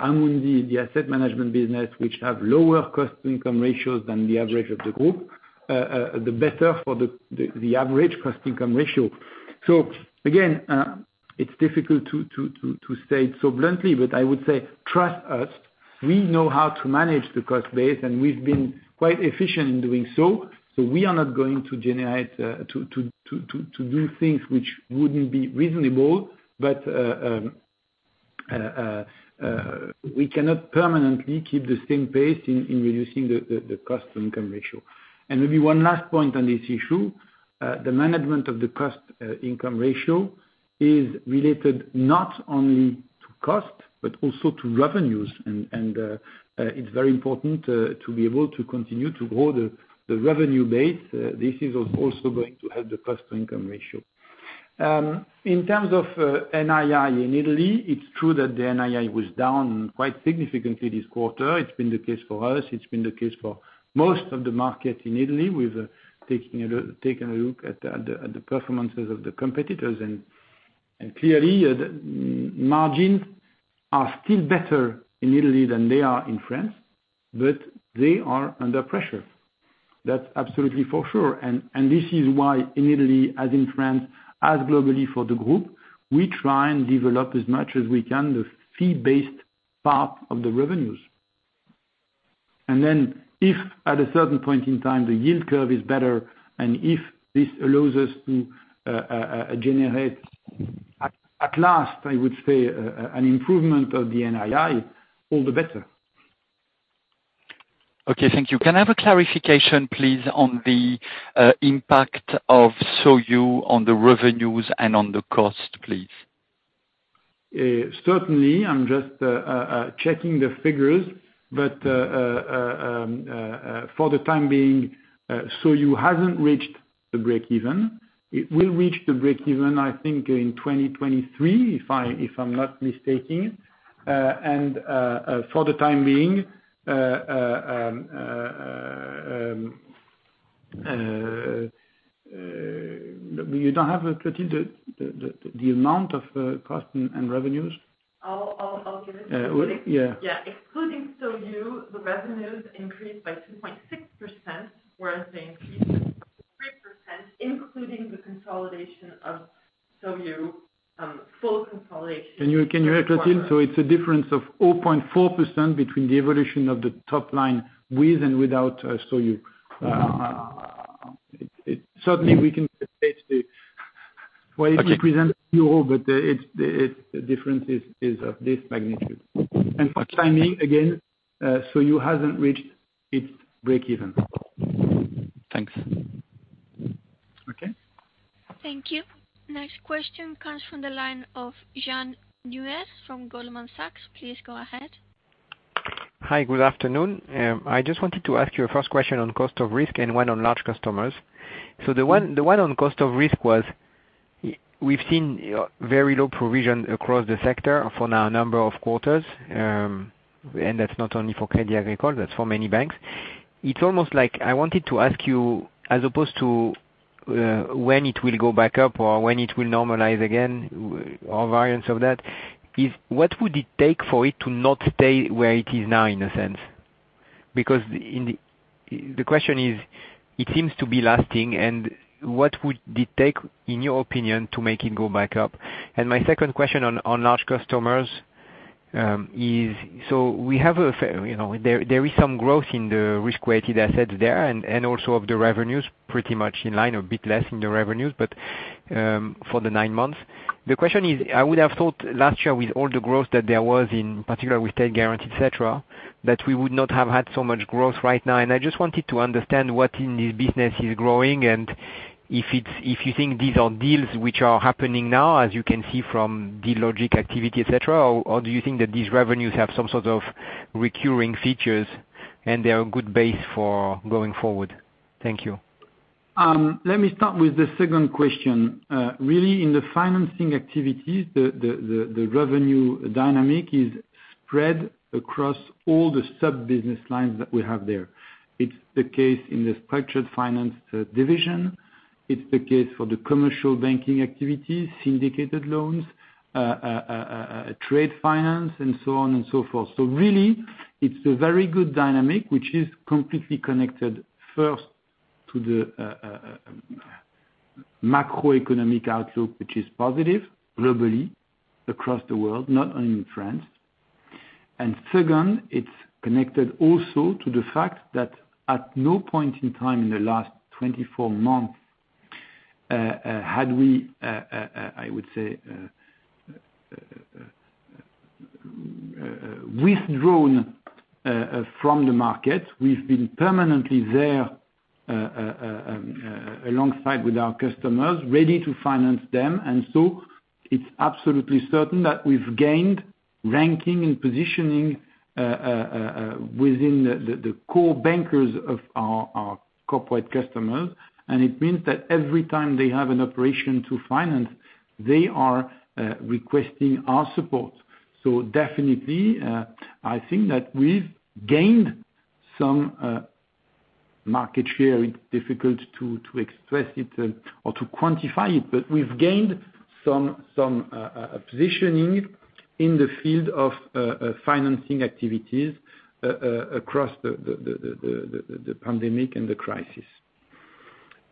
Amundi, the asset management business, which have lower cost income ratios than the average of the group, the better for the average cost income ratio. Again, it's difficult to state so bluntly, but I would say, trust us, we know how to manage the cost base, and we've been quite efficient in doing so. We are not going to do things which wouldn't be reasonable, but we cannot permanently keep the same pace in reducing the cost income ratio. Maybe one last point on this issue, the management of the cost income ratio is related not only to cost, but also to revenues. It's very important to be able to continue to grow the revenue base. This is also going to help the cost income ratio. In terms of NII in Italy, it's true that the NII was down quite significantly this quarter. It's been the case for us. It's been the case for most of the market in Italy. We've taken a look at the performances of the competitors, and clearly the margins are still better in Italy than they are in France, but they are under pressure. That's absolutely for sure. This is why in Italy, as in France, as globally for the group, we try and develop as much as we can, the fee-based part of the revenues. Then if at a certain point in time the yield curve is better, and if this allows us to generate at last, I would say, an improvement of the NII, all the better. Okay, thank you. Can I have a clarification please, on the impact of SoYou on the revenues and on the cost, please? Certainly. I'm just checking the figures, but for the time being, SoYou hasn't reached the breakeven. It will reach the breakeven, I think in 2023, if I'm not mistaken. For the time being, you don't have the, Clotilde, amount of costs and revenues? I'll give it to Philippe. Yeah. Excluding SoYou, the revenues increased by 2.6%, whereas they increased 3%, including the consolidation of SoYou, full consolidation. Can you hear, Clotilde? It's a difference of 0.4% between the evolution of the top line with and without SoYou. Certainly we can state the way we present in euro, but the difference is of this magnitude. For timing again, SoYou hasn't reached its break even. Thanks. Okay. Thank you. Next question comes from the line of John Hughes from Goldman Sachs. Please go ahead. Hi. Good afternoon. I just wanted to ask you a first question on cost of risk and one on large customers. The one on cost of risk was, we've seen very low provision across the sector for now a number of quarters. And that's not only for Crédit Agricole, that's for many banks. It's almost like I wanted to ask you, as opposed to when it will go back up or when it will normalize again, or variance of that is what would it take for it to not stay where it is now, in a sense? Because in the question is, it seems to be lasting and what would it take, in your opinion, to make it go back up? My second question on large customers is so we have a, you know, there is some growth in the risk-weighted assets there and also of the revenues pretty much in line or a bit less in the revenues. For the nine months, the question is, I would have thought last year with all the growth that there was in particular with state guarantee, et cetera, that we would not have had so much growth right now. I just wanted to understand what in this business is growing, and if it's, if you think these are deals which are happening now as you can see from the lending activity et cetera, or do you think that these revenues have some sort of recurring features and they are good base for going forward? Thank you. Let me start with the second question. Really in the financing activities, the revenue dynamic is spread across all the sub-business lines that we have there. It's the case in the structured finance division, it's the case for the commercial banking activities, syndicated loans, trade finance and so on and so forth. Really it's a very good dynamic which is completely connected first to the macroeconomic outlook, which is positive globally across the world, not only in France. Second, it's connected also to the fact that at no point in time in the last 24 months had we, I would say, withdrawn from the market, we've been permanently there alongside with our customers, ready to finance them. It's absolutely certain that we've gained ranking and positioning within the core bankers of our corporate customers. It means that every time they have an operation to finance, they are requesting our support. Definitely, I think that we've gained some market share. It's difficult to express it or to quantify it, but we've gained some positioning in the field of financing activities across the pandemic and the crisis.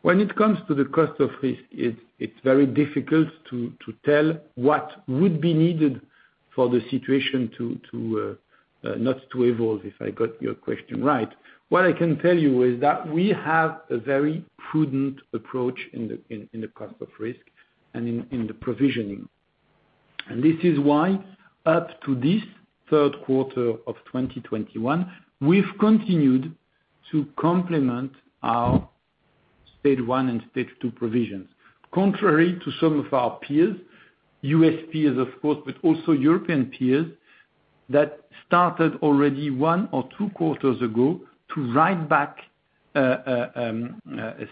When it comes to the cost of risk, it's very difficult to tell what would be needed for the situation to not evolve, if I got your question right. What I can tell you is that we have a very prudent approach in the cost of risk and the provisioning. This is why, up to this third quarter of 2021, we've continued to complement our Stage 1 and Stage 2 provisions. Contrary to some of our peers, U.S. peers, of course, but also European peers that started already one or two quarters ago to write back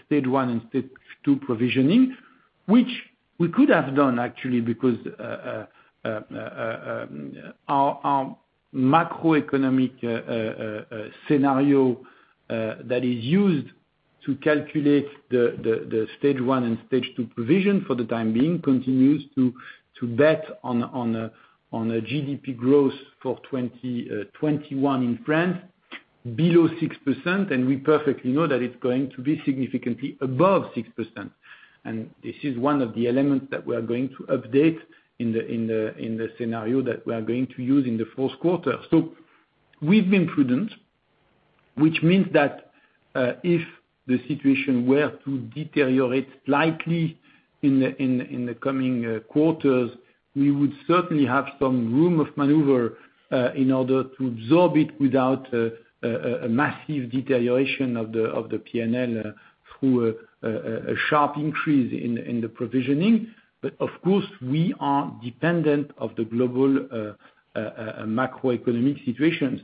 Stage 1 and Stage 2 provisioning, which we could have done actually because our macroeconomic scenario that is used to calculate the Stage 1 and Stage 2 provision for the time being continues to bet on a GDP growth for 2021 in France below 6%, and we perfectly know that it's going to be significantly above 6%. This is one of the elements that we are going to update in the scenario that we are going to use in the fourth quarter. We've been prudent, which means that if the situation were to deteriorate slightly in the coming quarters, we would certainly have some room of maneuver in order to absorb it without a massive deterioration of the PNL through a sharp increase in the provisioning. But of course, we are dependent of the global macroeconomic situation.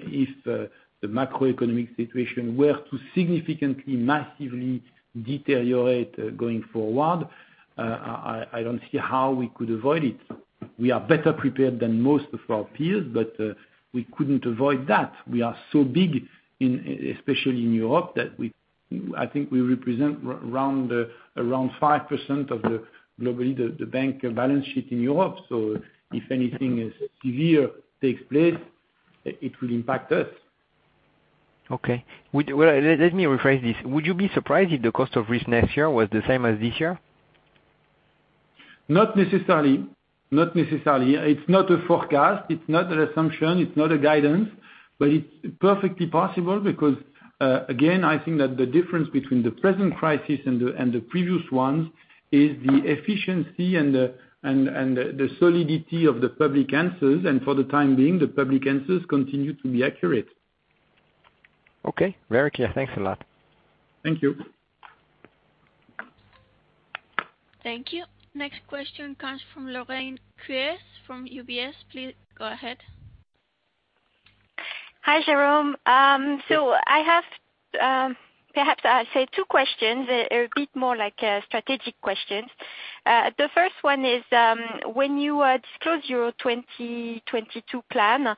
If the macroeconomic situation were to significantly, massively deteriorate going forward, I don't see how we could avoid it. We are better prepared than most of our peers, but we couldn't avoid that. We are so big in, especially in Europe, that we—I think we represent around 5% of the globally the bank balance sheet in Europe. If anything severe takes place, it will impact us. Okay. Well, let me rephrase this. Would you be surprised if the cost of risk next year was the same as this year? Not necessarily. Not necessarily. It's not a forecast, it's not an assumption, it's not a guidance. It's perfectly possible because, again, I think that the difference between the present crisis and the previous ones is the efficiency and the solidity of the public answers. For the time being, the public answers continue to be accurate. Okay. Very clear. Thanks a lot. Thank you. Thank you. Next question comes from Lorraine Quoirez from UBS. Please go ahead. Hi, Jérôme. I have, perhaps I say two questions. They're a bit more like strategic questions. The first one is, when you disclosed your 2022 plan,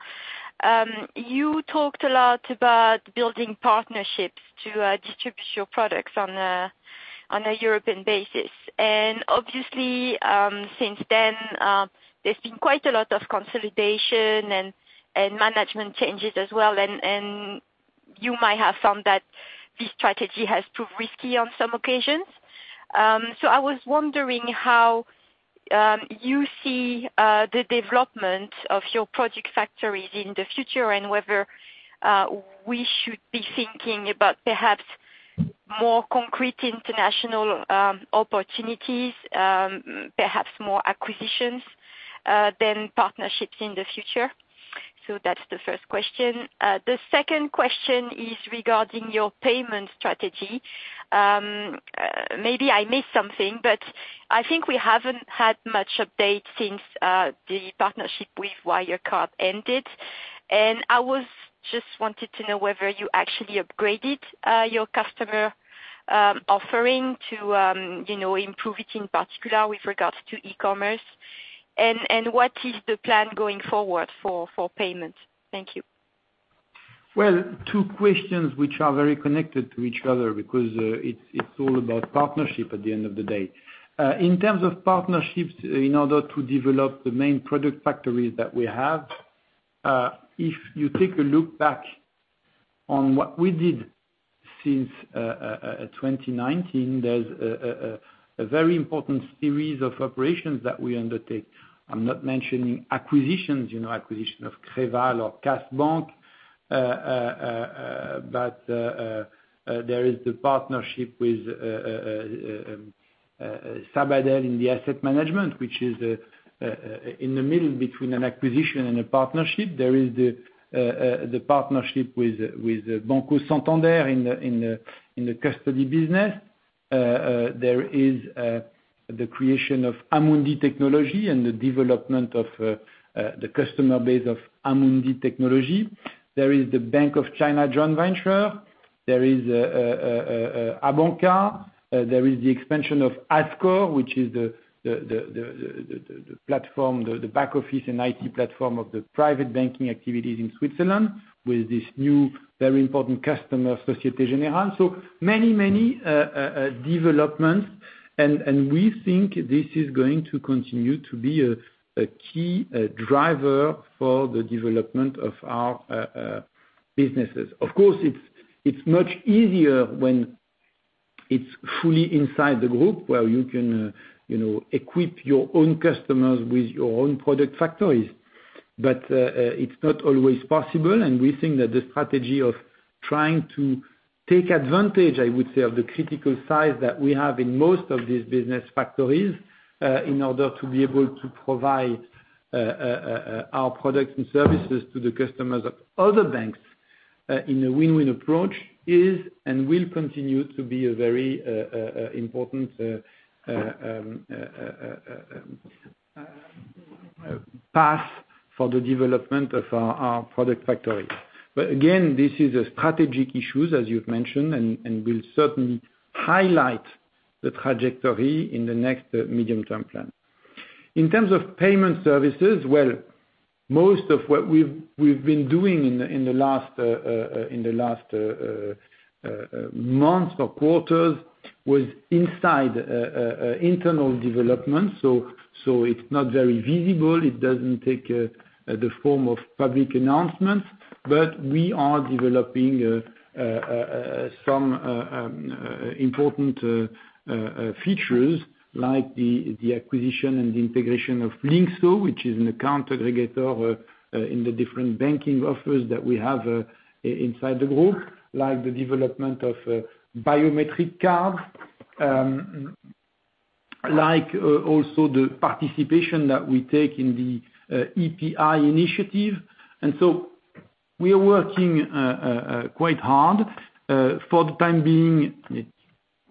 you talked a lot about building partnerships to distribute your products on a European basis. Obviously, since then, there's been quite a lot of consolidation and management changes as well. You might have found that this strategy has proved risky on some occasions. I was wondering how you see the development of your product factories in the future and whether we should be thinking about perhaps more concrete international opportunities, perhaps more acquisitions than partnerships in the future. That's the first question. The second question is regarding your payment strategy. Maybe I missed something, but I think we haven't had much update since the partnership with Wirecard ended. I just wanted to know whether you actually upgraded your customer offering to, you know, improve it in particular with regards to e-commerce. What is the plan going forward for payments? Thank you. Well, two questions which are very connected to each other because it's all about partnership at the end of the day. In terms of partnerships, in order to develop the main product factories that we have, if you take a look back on what we did since 2019, there's a very important series of operations that we undertake. I'm not mentioning acquisitions, you know, acquisition of Creval or KAS Bank. But there is the partnership with Sabadell in the asset management, which is in the middle between an acquisition and a partnership. There is the partnership with Banco Santander in the custody business. There is the creation of Amundi Technology and the development of the customer base of Amundi Technology. There is the Bank of China joint venture. There is ABANCA. There is the expansion of Azqore, which is the platform, the back office and IT platform of the private banking activities in Switzerland with this new, very important customer, Société Générale. Many developments. We think this is going to continue to be a key driver for the development of our businesses. Of course, it's much easier when it's fully inside the group where you can you know, equip your own customers with your own product factories. It's not always possible, and we think that the strategy of trying to take advantage, I would say, of the critical size that we have in most of these business factories, in order to be able to provide our products and services to the customers of other banks, in a win-win approach, is and will continue to be a very important path for the development of our product factories. Again, this is a strategic issue, as you've mentioned, and we'll certainly highlight the trajectory in the next medium-term plan. In terms of payment services, well, most of what we've been doing in the last months or quarters was inside internal development. It's not very visible. It doesn't take the form of public announcements, but we are developing some important features like the acquisition and the integration of Linxo, which is an account aggregator, in the different banking offers that we have inside the group, like the development of biometric cards, like also the participation that we take in the EPI initiative. We are working quite hard for the time being.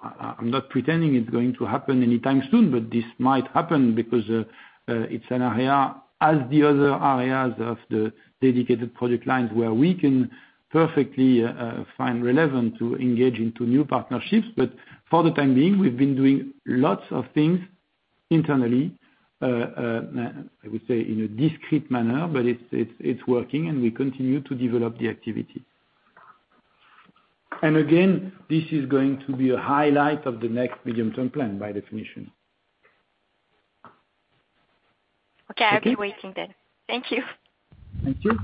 I'm not pretending it's going to happen anytime soon, but this might happen because it's an area, as the other areas of the dedicated product lines, where we can perfectly find relevant to engage into new partnerships. For the time being, we've been doing lots of things internally, I would say in a discreet manner, but it's working, and we continue to develop the activity. Again, this is going to be a highlight of the next medium-term plan by definition. Okay. Okay? I'll be waiting then. Thank you. Thank you.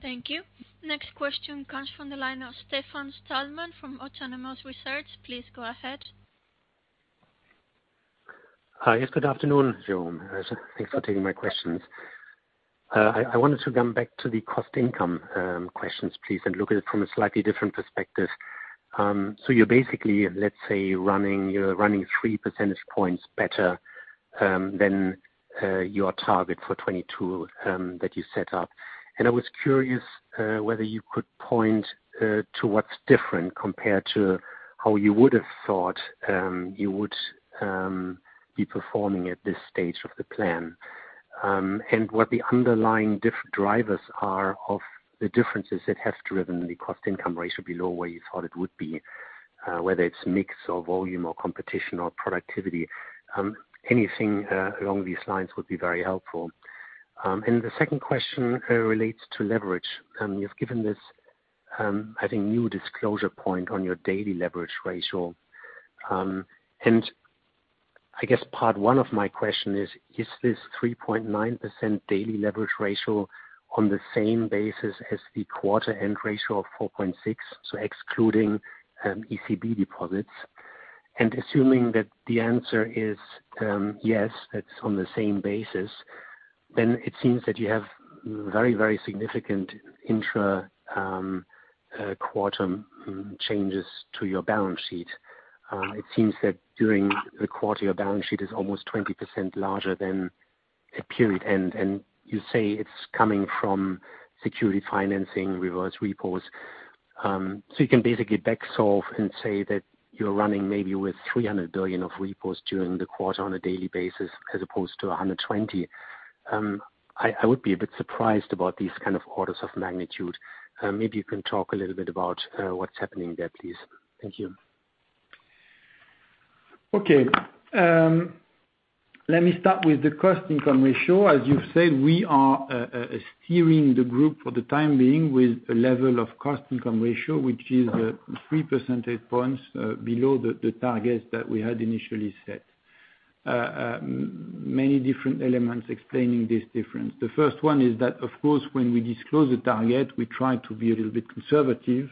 Thank you. Next question comes from the line of Stefan Stalmann from Autonomous Research. Please go ahead. Hi. Yes, good afternoon, Jérôme. Thanks for taking my questions. I wanted to come back to the cost income questions, please, and look at it from a slightly different perspective. So you're basically, let's say, running 3 percentage points better than your target for 2022 that you set up. I was curious whether you could point to what's different compared to how you would have thought you would be performing at this stage of the plan, and what the underlying drivers are of the differences that have driven the cost income ratio below where you thought it would be, whether it's mix or volume or competition or productivity. Anything along these lines would be very helpful. The second question relates to leverage. You've given this, I think, new disclosure point on your daily leverage ratio. I guess part one of my question is this 3.9% daily leverage ratio on the same basis as the quarter-end ratio of 4.6%, so excluding ECB deposits? Assuming that the answer is yes, it's on the same basis, then it seems that you have very, very significant intra-quarter changes to your balance sheet. It seems that during the quarter, your balance sheet is almost 20% larger than a period-end, and you say it's coming from securities financing reverse repos. So you can basically backsolve and say that you're running maybe with 300 billion of repos during the quarter on a daily basis as opposed to 120 billion. I would be a bit surprised about these kind of orders of magnitude. Maybe you can talk a little bit about what's happening there, please. Thank you. Okay. Let me start with the cost-income ratio. As you've said, we are steering the group for the time being with a level of cost-income ratio, which is 3 percentage points below the target that we had initially set. Many different elements explaining this difference. The first one is that, of course, when we disclose the target, we try to be a little bit conservative,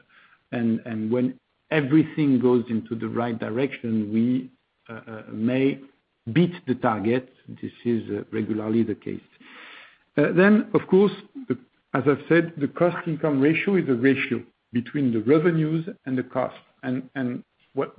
and when everything goes into the right direction, we may beat the target. This is regularly the case. Then, of course, as I've said, the cost income ratio is the ratio between the revenues and the costs. What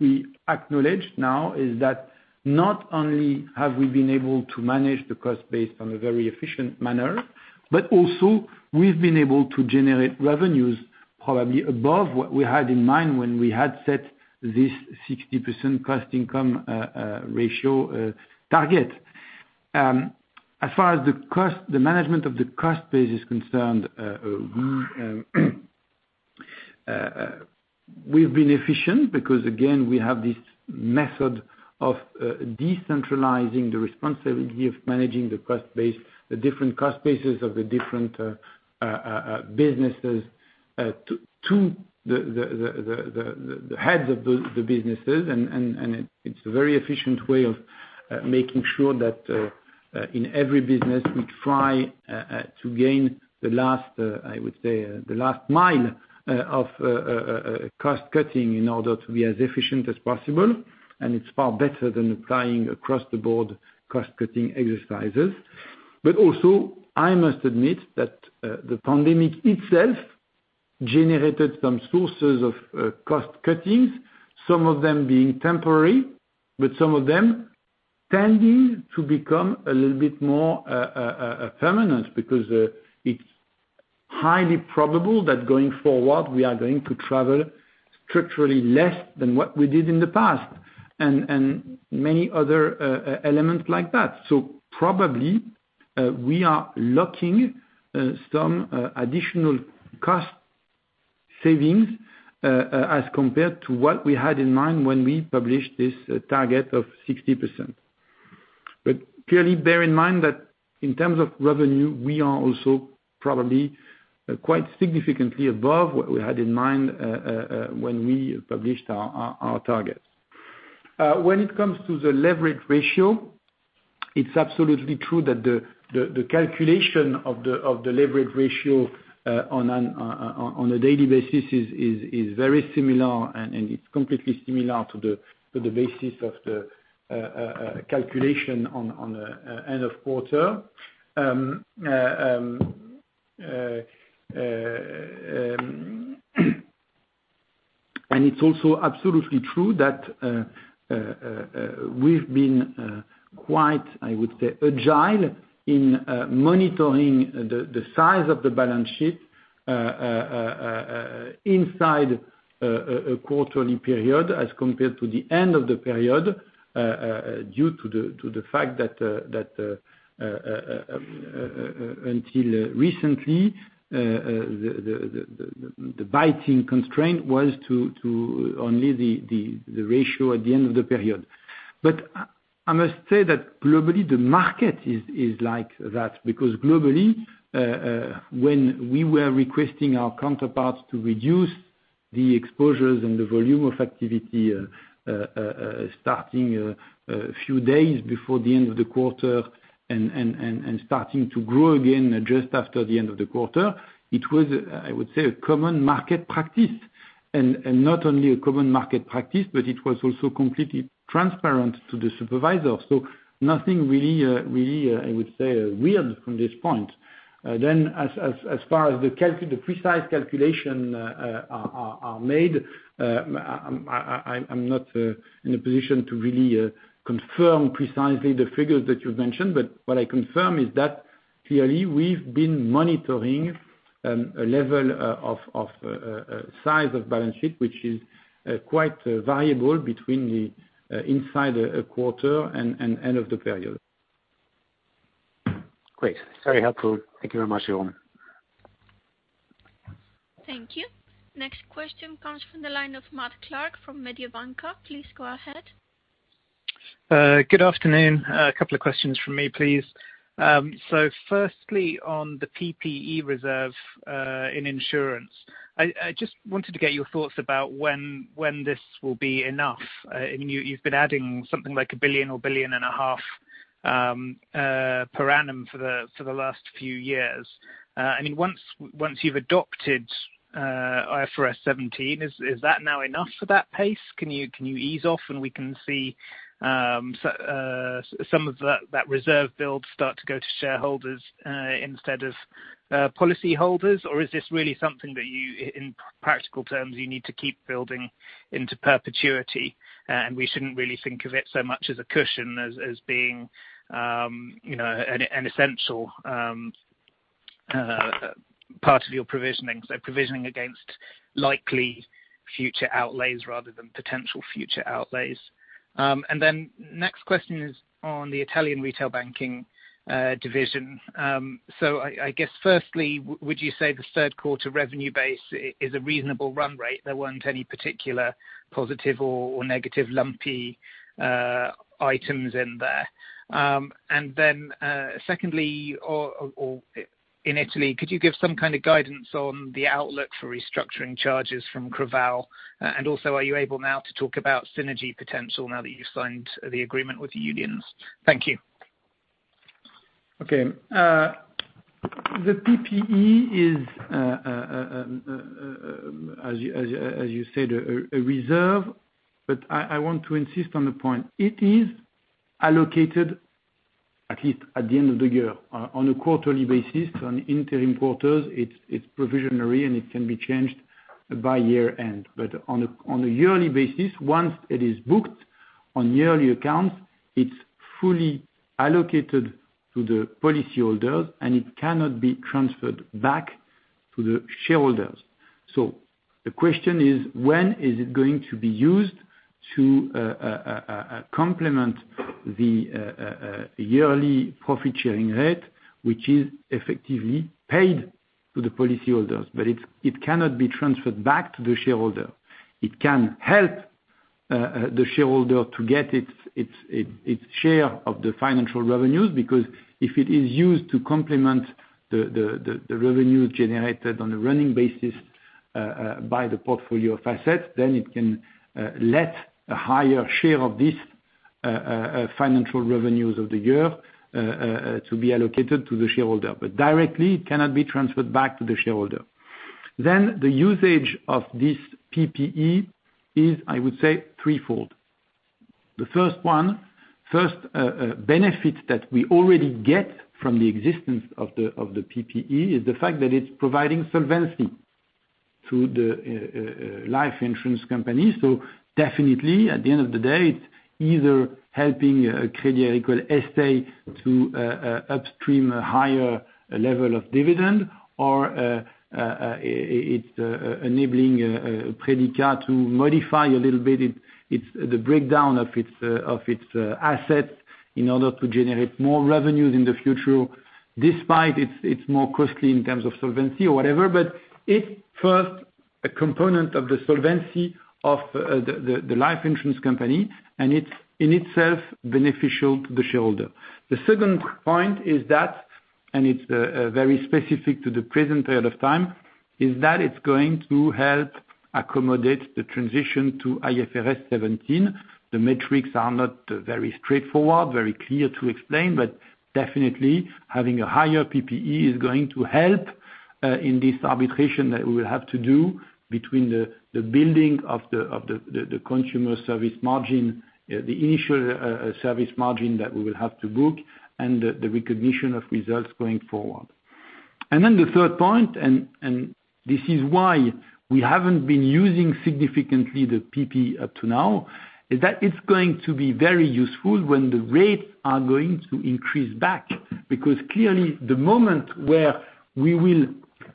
we acknowledge now is that not only have we been able to manage the cost base in a very efficient manner, but also we've been able to generate revenues probably above what we had in mind when we had set this 60% cost income ratio target. As far as the management of the cost base is concerned, we've been efficient because again, we have this method of decentralizing the responsibility of managing the cost base, the different cost bases of the different businesses, to the heads of the businesses. It's a very efficient way of making sure that in every business we try to gain the last mile of cost cutting in order to be as efficient as possible, and it's far better than applying across-the-board cost cutting exercises. I must admit that the pandemic itself generated some sources of cost cutting, some of them being temporary, but some of them tending to become a little bit more permanent because it's highly probable that going forward, we are going to travel structurally less than what we did in the past, and many other elements like that. Probably, we are locking some additional cost savings as compared to what we had in mind when we published this target of 60%. Clearly bear in mind that in terms of revenue, we are also probably quite significantly above what we had in mind when we published our targets. When it comes to the leverage ratio, it's absolutely true that the calculation of the leverage ratio on a daily basis is very similar, and it's completely similar to the basis of the calculation on the end of quarter. It's also absolutely true that we've been quite, I would say, agile in monitoring the size of the balance sheet inside a quarterly period as compared to the end of the period, due to the fact that until recently, the binding constraint was only the ratio at the end of the period. I must say that globally, the market is like that, because globally, when we were requesting our counterparts to reduce the exposures and the volume of activity, starting a few days before the end of the quarter and starting to grow again just after the end of the quarter, it was, I would say, a common market practice. Not only a common market practice, but it was also completely transparent to the supervisor. Nothing really, I would say, weird from this point. As far as the precise calculation are made, I'm not in a position to really confirm precisely the figures that you've mentioned. What I confirm is that clearly we've been monitoring a level of size of balance sheet, which is quite variable between the inside a quarter and end of the period. Great. Very helpful. Thank you very much, Jérôme. Thank you. Next question comes from the line of Matthew Clark from Mediobanca. Please go ahead. Good afternoon. A couple of questions from me, please. Firstly, on the PPE reserve in insurance, I just wanted to get your thoughts about when this will be enough. You've been adding something like 1 billion or 1.5 billion per annum for the last few years. I mean, once you've adopted IFRS 17, is that now enough for that pace? Can you ease off and we can see some of that reserve build start to go to shareholders instead of policyholders? Is this really something that you, in practical terms, you need to keep building into perpetuity, and we shouldn't really think of it so much as a cushion, as being, you know, an essential part of your provisioning, so provisioning against likely future outlays rather than potential future outlays? Next question is on the Italian retail banking division. I guess firstly, would you say the third quarter revenue base is a reasonable run rate? There weren't any particular positive or negative lumpy items in there. Secondly, in Italy, could you give some kind of guidance on the outlook for restructuring charges from Creval? Also, are you able now to talk about synergy potential now that you've signed the agreement with the unions? Thank you. Okay. The PPE is, as you said, a reserve, but I want to insist on the point. It is allocated at least at the end of the year. On a quarterly basis, on interim quarters, it's provisionary, and it can be changed by year end. On a yearly basis, once it is booked on yearly accounts, it's fully allocated to the policy holders, and it cannot be transferred back to the shareholders. The question is, when is it going to be used to complement the yearly profit sharing rate, which is effectively paid to the policy holders, but it cannot be transferred back to the shareholder. It can help the shareholder to get its share of the financial revenues because if it is used to complement the revenues generated on a running basis by the portfolio of assets, then it can let a higher share of this financial revenues of the year to be allocated to the shareholder. Directly, it cannot be transferred back to the shareholder. The usage of this PPE is, I would say, threefold. The first benefit that we already get from the existence of the PPE is the fact that it's providing solvency to the life insurance company. Definitely, at the end of the day, it's either helping Crédit Agricole S.A. to upstream a higher level of dividend or it's enabling Predica to modify a little bit its the breakdown of its assets in order to generate more revenues in the future, despite it's more costly in terms of solvency or whatever. It's first a component of the solvency of the life insurance company, and it's in itself beneficial to the shareholder. The second point is that, and it's very specific to the present period of time, is that it's going to help accommodate the transition to IFRS 17. The metrics are not very straightforward, very clear to explain, but definitely having a higher PPE is going to help in this arbitration that we will have to do between the building of the contractual service margin, the initial service margin that we will have to book and the recognition of results going forward. The third point, this is why we haven't been using significantly the PPE up to now, is that it's going to be very useful when the rates are going to increase back. Because clearly the moment where we will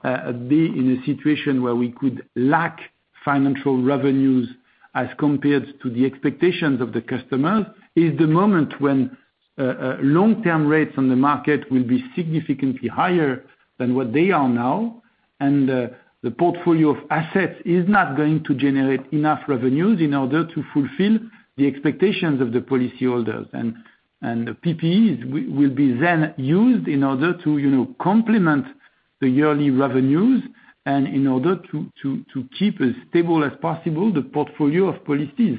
be in a situation where we could lack financial revenues as compared to the expectations of the customers is the moment when long-term rates on the market will be significantly higher than what they are now. The portfolio of assets is not going to generate enough revenues in order to fulfill the expectations of the policy holders. The PPEs will be then used in order to, you know, complement the yearly revenues and in order to keep as stable as possible the portfolio of policies.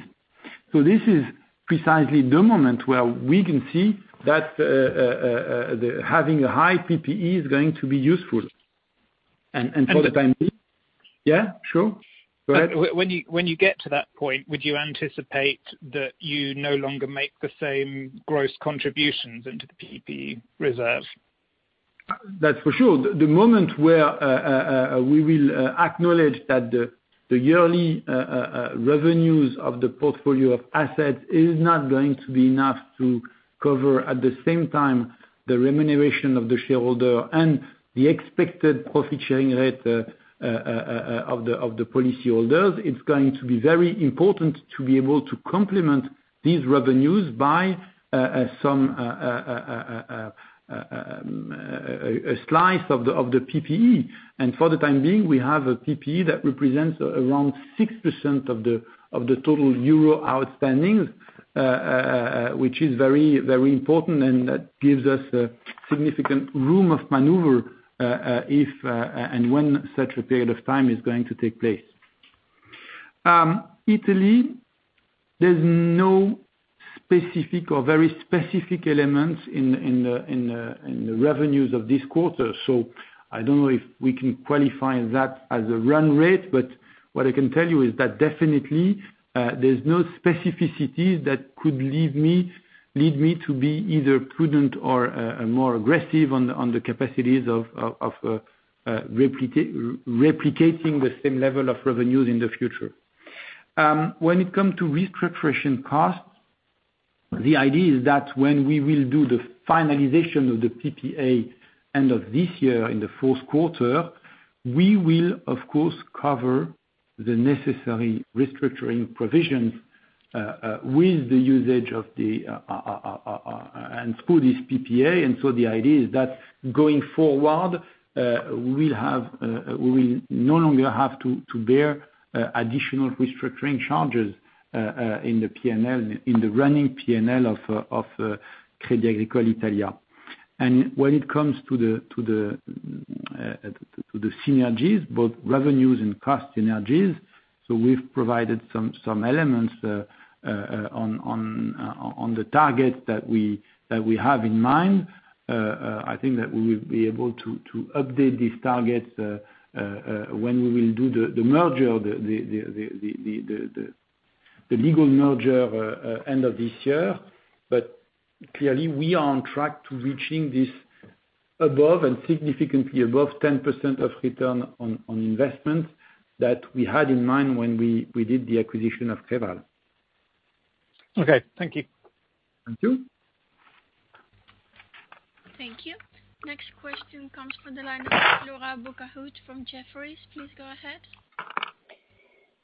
This is precisely the moment where we can see that that having a high PPE is going to be useful. For the time being- And the- Yeah, sure. Go ahead. When you get to that point, would you anticipate that you no longer make the same gross contributions into the PPE reserve? That's for sure. The moment where we will acknowledge that the yearly revenues of the portfolio of assets is not going to be enough to cover at the same time the remuneration of the shareholder and the expected profit sharing rate of the policy holders, it's going to be very important to be able to complement these revenues by a slice of the PPE. For the time being, we have a PPE that represents around 6% of the total euro outstanding, which is very important and that gives us a significant room of maneuver, if and when such a period of time is going to take place. Italy, there's no specific or very specific elements in the revenues of this quarter. I don't know if we can qualify that as a run rate, but what I can tell you is that definitely, there's no specificities that could lead me to be either prudent or more aggressive on the capacities of replicating the same level of revenues in the future. When it come to restructuring costs, the idea is that when we will do the finalization of the PPA end of this year in the fourth quarter, we will of course cover the necessary restructuring provisions with the usage of the PPA and through this PPA. The idea is that going forward, we will no longer have to bear additional restructuring charges in the P&L, in the running P&L of Crédit Agricole Italia. When it comes to the synergies, both revenues and cost synergies, we've provided some elements on the target that we have in mind. I think that we will be able to update these targets when we will do the legal merger end of this year. Clearly, we are on track to reaching this above and significantly above 10% return on investment that we had in mind when we did the acquisition of Creval. Okay, thank you. Thank you. Thank you. Next question comes from the line of Flora Bocahut from Jefferies, please go ahead.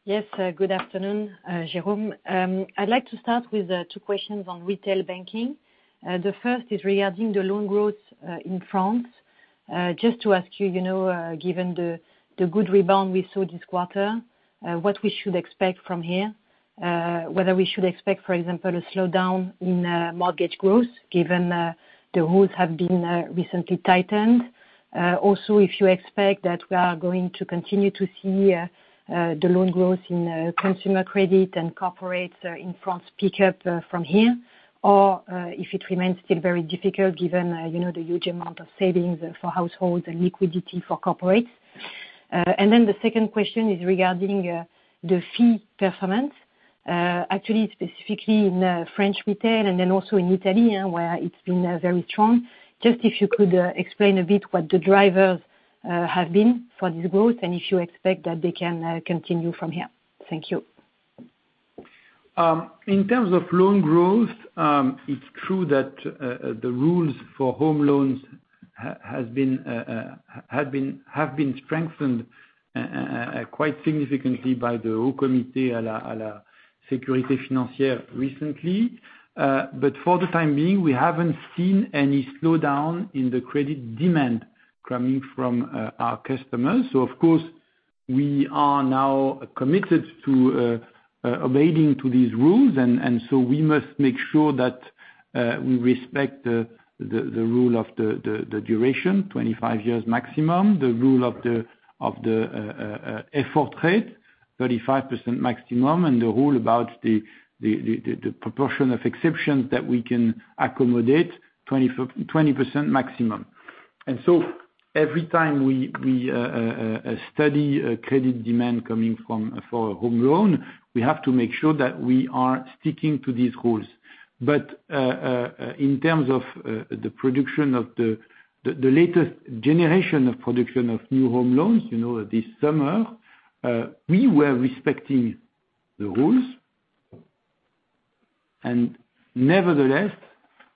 Yes, good afternoon, Jérôme. I'd like to start with two questions on retail banking. The first is regarding the loan growth in France. Just to ask you know, given the good rebound we saw this quarter, what we should expect from here, whether we should expect, for example, a slowdown in mortgage growth given the rules have been recently tightened. Also, if you expect that we are going to continue to see the loan growth in consumer credit and corporates in France pick up from here, or if it remains still very difficult given, you know, the huge amount of savings for households and liquidity for corporates. The second question is regarding the fee performance, actually specifically in French retail and then also in Italy where it's been very strong. Just if you could explain a bit what the drivers have been for this growth and if you expect that they can continue from here. Thank you. In terms of loan growth, it's true that the rules for home loans have been strengthened quite significantly by the Haut Conseil de Stabilité Financière recently. For the time being, we haven't seen any slowdown in the credit demand coming from our customers. Of course, we are now committed to abiding by these rules. We must make sure that we respect the rule of the duration, 25 years maximum, the rule of the effort rate, 35% maximum, and the rule about the proportion of exceptions that we can accommodate, 20% maximum. Every time we study credit demand coming from for a home loan, we have to make sure that we are sticking to these rules. In terms of the production of the latest generation of production of new home loans, you know, this summer, we were respecting the rules. Nevertheless,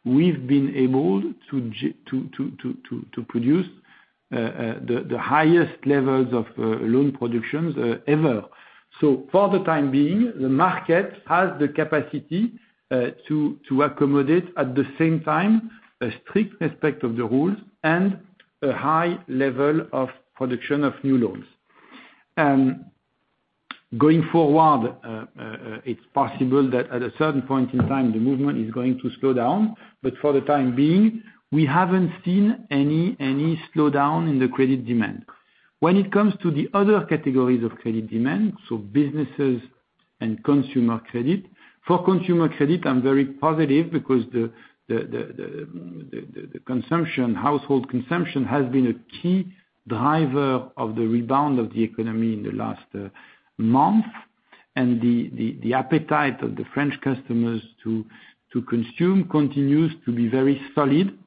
we've been able to produce the highest levels of loan productions ever. For the time being, the market has the capacity to accommodate, at the same time, a strict respect of the rules and a high level of production of new loans. Going forward, it's possible that at a certain point in time, the movement is going to slow down. For the time being, we haven't seen any slowdown in the credit demand. When it comes to the other categories of credit demand, so businesses and consumer credit, for consumer credit, I'm very positive because household consumption has been a key driver of the rebound of the economy in the last month. The appetite of the French customers to consume continues to be very solid.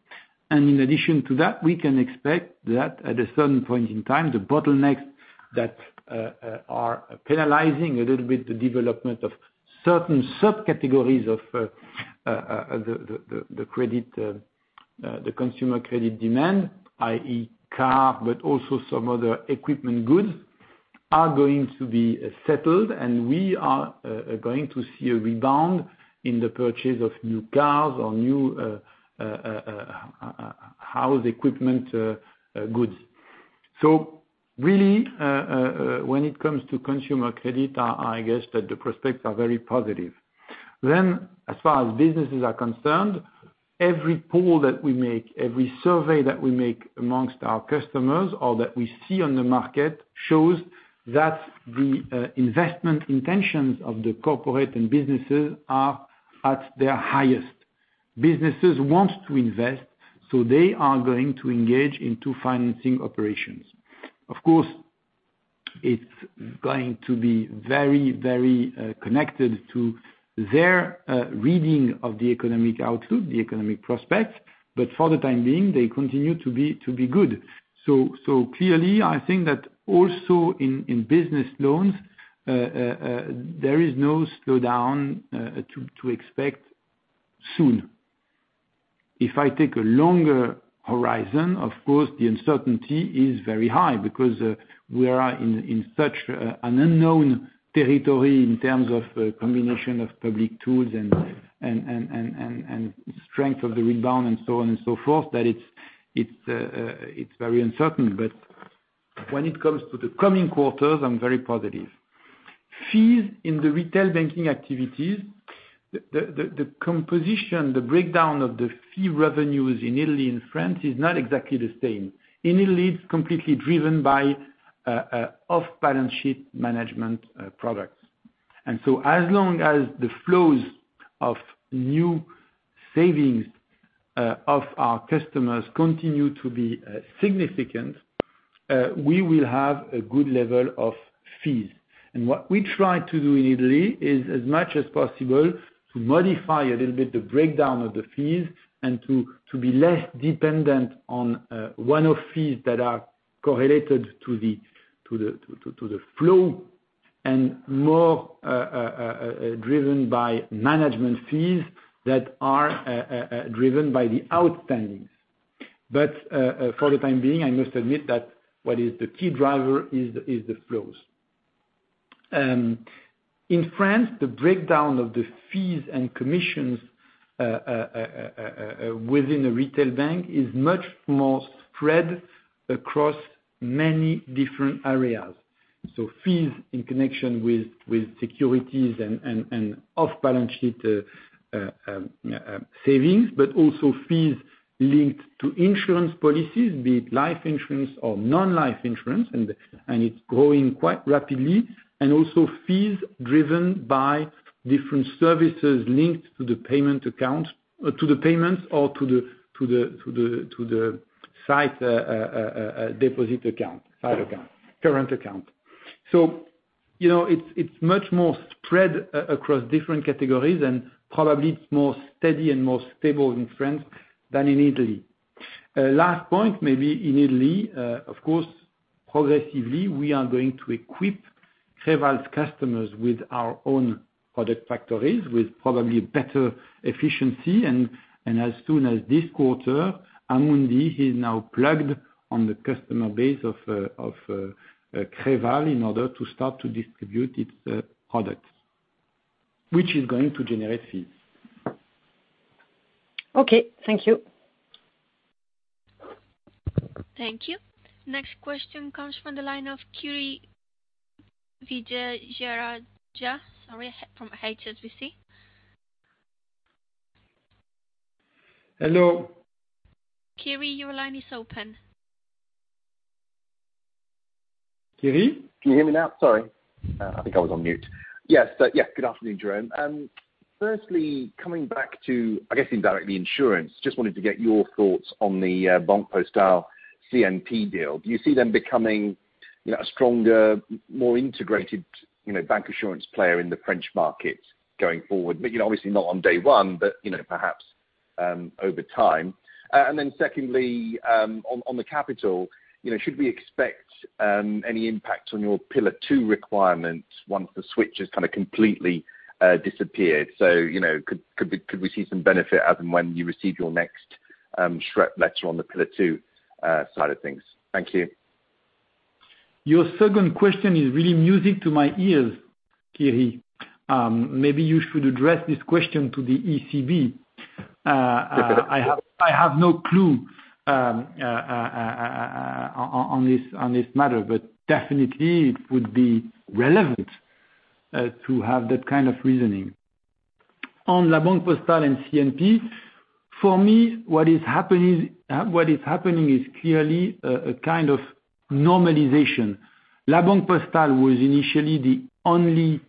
In addition to that, we can expect that at a certain point in time, the bottlenecks that are penalizing a little bit the development of certain subcategories of the credit, the consumer credit demand, i.e. car, but also some other equipment goods, are going to be settled, and we are going to see a rebound in the purchase of new cars or new house equipment goods. Really, when it comes to consumer credit, I guess that the prospects are very positive. As far as businesses are concerned, every poll that we make, every survey that we make amongst our customers or that we see on the market, shows that the investment intentions of the corporate and businesses are at their highest. Businesses want to invest, so they are going to engage in two financing operations. Of course, it's going to be very connected to their reading of the economic outlook, the economic prospects, but for the time being, they continue to be good. Clearly, I think that also in business loans there is no slowdown to expect soon. If I take a longer horizon, of course, the uncertainty is very high because we are in such an unknown territory in terms of a combination of public tools and strength of the rebound and so on and so forth, that it's very uncertain. When it comes to the coming quarters, I'm very positive. Fees in the retail banking activities, the composition, the breakdown of the fee revenues in Italy and France is not exactly the same. In Italy, it's completely driven by off balance sheet management products. As long as the flows of new savings of our customers continue to be significant, we will have a good level of fees. What we try to do in Italy is as much as possible to modify a little bit the breakdown of the fees and to be less dependent on one-off fees that are correlated to the flow and more driven by management fees that are driven by the outstanding. For the time being, I must admit that what is the key driver is the flows. In France, the breakdown of the fees and commissions within the retail bank is much more spread across many different areas. Fees in connection with securities and off balance sheet savings, but also fees linked to insurance policies, be it life insurance or non-life insurance, and it's growing quite rapidly, and also fees driven by different services linked to the payment account, to the payments or to the sight deposit account, sight account, current account. You know, it's much more spread across different categories, and probably it's more steady and more stable in France than in Italy. Last point, maybe in Italy, of course, progressively, we are going to equip Creval's customers with our own product factories, with probably better efficiency. As soon as this quarter, Amundi is now plugged on the customer base of Creval in order to start to distribute its products, which is going to generate fees. Okay. Thank you. Thank you. Next question comes from the line of Kiri Vijayarajah, sorry, from HSBC. Hello. Kiri, your line is open. Kiri? Can you hear me now? Sorry. I think I was on mute. Yes. Yeah. Good afternoon, Jérôme. Firstly, coming back to, I guess, indirectly insurance, just wanted to get your thoughts on the Banques Populaires CNP deal. Do you see them becoming, you know, a stronger, more integrated, you know, bancassurance player in the French market going forward? You know, obviously not on day one, but, you know, perhaps over time. And then secondly, on the capital, you know, should we expect any impact on your Pillar 2 requirements once the switch has kind of completely disappeared? You know, could we see some benefit as and when you receive your next SREP letter on the Pillar 2 side of things? Thank you. Your second question is really music to my ears, Kiri. Maybe you should address this question to the ECB. Okay. I have no clue on this matter, but definitely it would be relevant to have that kind of reasoning. On La Banque Postale and CNP, for me, what is happening is clearly a kind of normalization. La Banque Postale was initially the only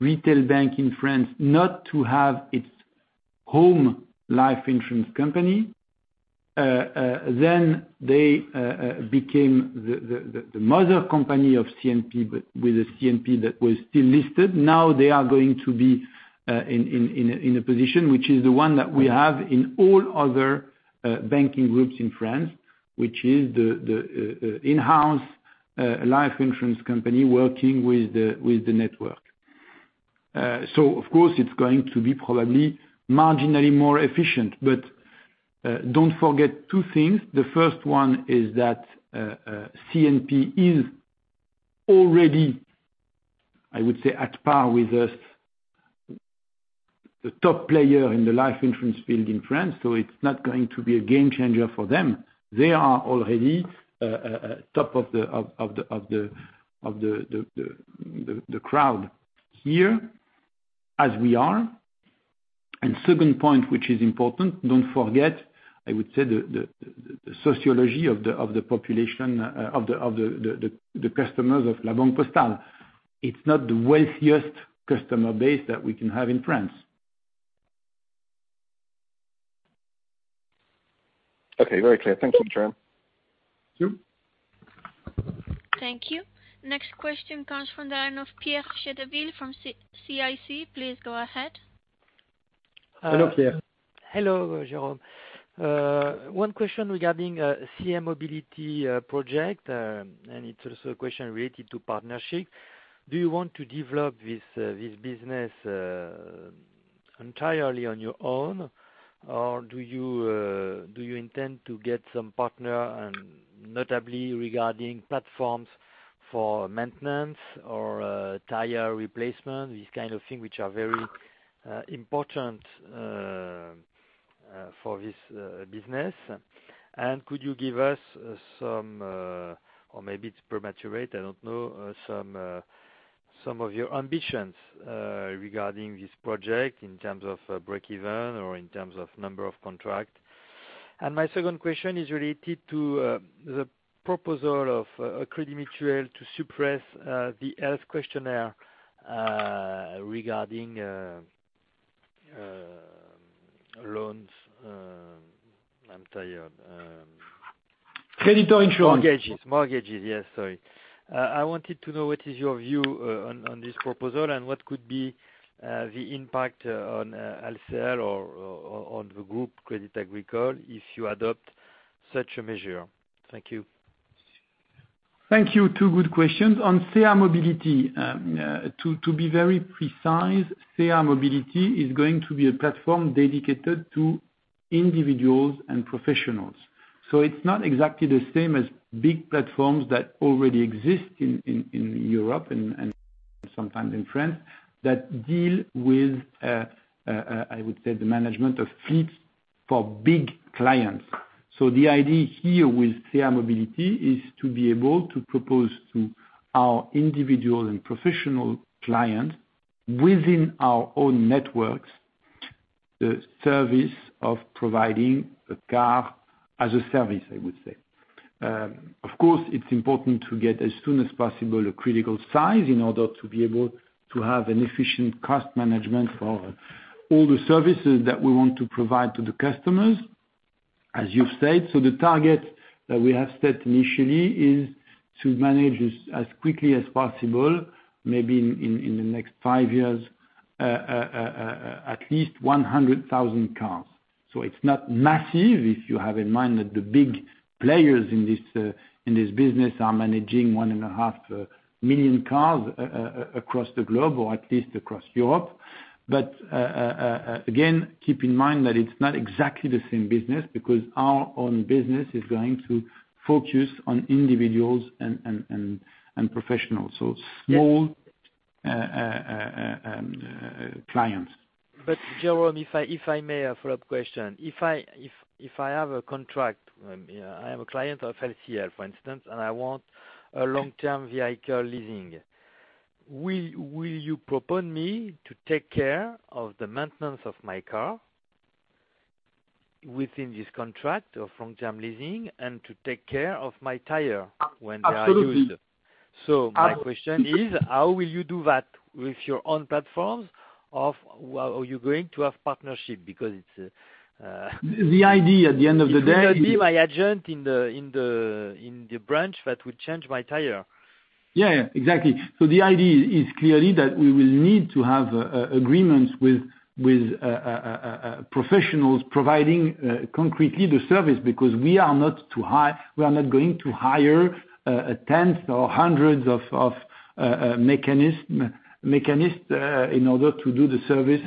retail bank in France not to have its home life insurance company. Then they became the mother company of CNP, but with a CNP that was still listed. Now they are going to be in a position which is the one that we have in all other banking groups in France, which is the in-house life insurance company working with the network. Of course it's going to be probably marginally more efficient. Don't forget two things. The first one is that CNP is already, I would say, at par with us, the top player in the life insurance field in France, so it's not going to be a game changer for them. They are already top of the crowd here as we are. Second point, which is important, don't forget, I would say the sociology of the population of the customers of La Banque Postale. It's not the wealthiest customer base that we can have in France. Okay. Very clear. Thank you, Jérôme. Sure. Thank you. Next question comes from the line of Pierre Chédeville from CIC. Please go ahead. Hello, Pierre. Hello, Jérôme. One question regarding CA Mobility project. It's also a question related to partnership. Do you want to develop this business entirely on your own, or do you intend to get some partner, and notably regarding platforms for maintenance or tire replacement, these kind of things which are very important for this business. Could you give us some, or maybe it's premature, I don't know, some of your ambitions regarding this project in terms of break even or in terms of number of contract. My second question is related to the proposal of Crédit Mutuel to suppress the health questionnaire regarding insurance. Credit insurance. Mortgages, yes. Sorry. I wanted to know what is your view on this proposal? What could be the impact on LCL or on the group Crédit Agricole if you adopt such a measure? Thank you. Thank you. Two good questions. On CA Mobility, to be very precise, CA Mobility is going to be a platform dedicated to individuals and professionals. It's not exactly the same as big platforms that already exist in Europe and sometimes in France, that deal with, I would say, the management of fleets for big clients. The idea here with CA Mobility is to be able to propose to our individual and professional clients, within our own networks, the service of providing a car as a service, I would say. Of course, it's important to get, as soon as possible, a critical size in order to be able to have an efficient cost management for all the services that we want to provide to the customers, as you've said. The target that we have set initially is to manage as quickly as possible, maybe in the next five years, at least 100,000 cars. It's not massive if you have in mind that the big players in this business are managing 1.5 million cars across the globe or at least across Europe. Again, keep in mind that it's not exactly the same business because our own business is going to focus on individuals and professionals. Small- Yes. Clients. Jérôme, if I may, a follow-up question. If I have a client of LCL, for instance, and I want a long-term vehicle leasing. Will you propose me to take care of the maintenance of my car within this contract of long-term leasing and to take care of my tire when they are used? Absolutely. My question is, how will you do that with your own platforms, or are you going to have partnership? Because it's- The idea at the end of the day. It could not be my agent in the branch that would change my tire. Yeah, yeah. Exactly. The idea is clearly that we will need to have agreements with professionals providing concretely the service, because we are not going to hire tens or hundreds of mechanics in order to do the service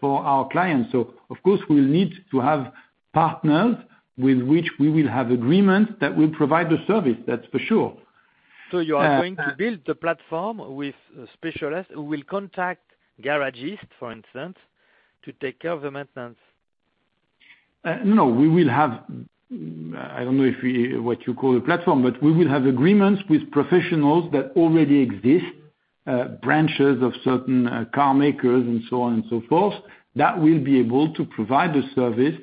for our clients. Of course, we'll need to have partners with which we will have agreements that will provide the service, that's for sure. You are going to build the platform with specialists who will contact garagistes, for instance, to take care of the maintenance? No. I don't know if it's what you call a platform, but we will have agreements with professionals that already exist, branches of certain car makers and so on and so forth, that will be able to provide the service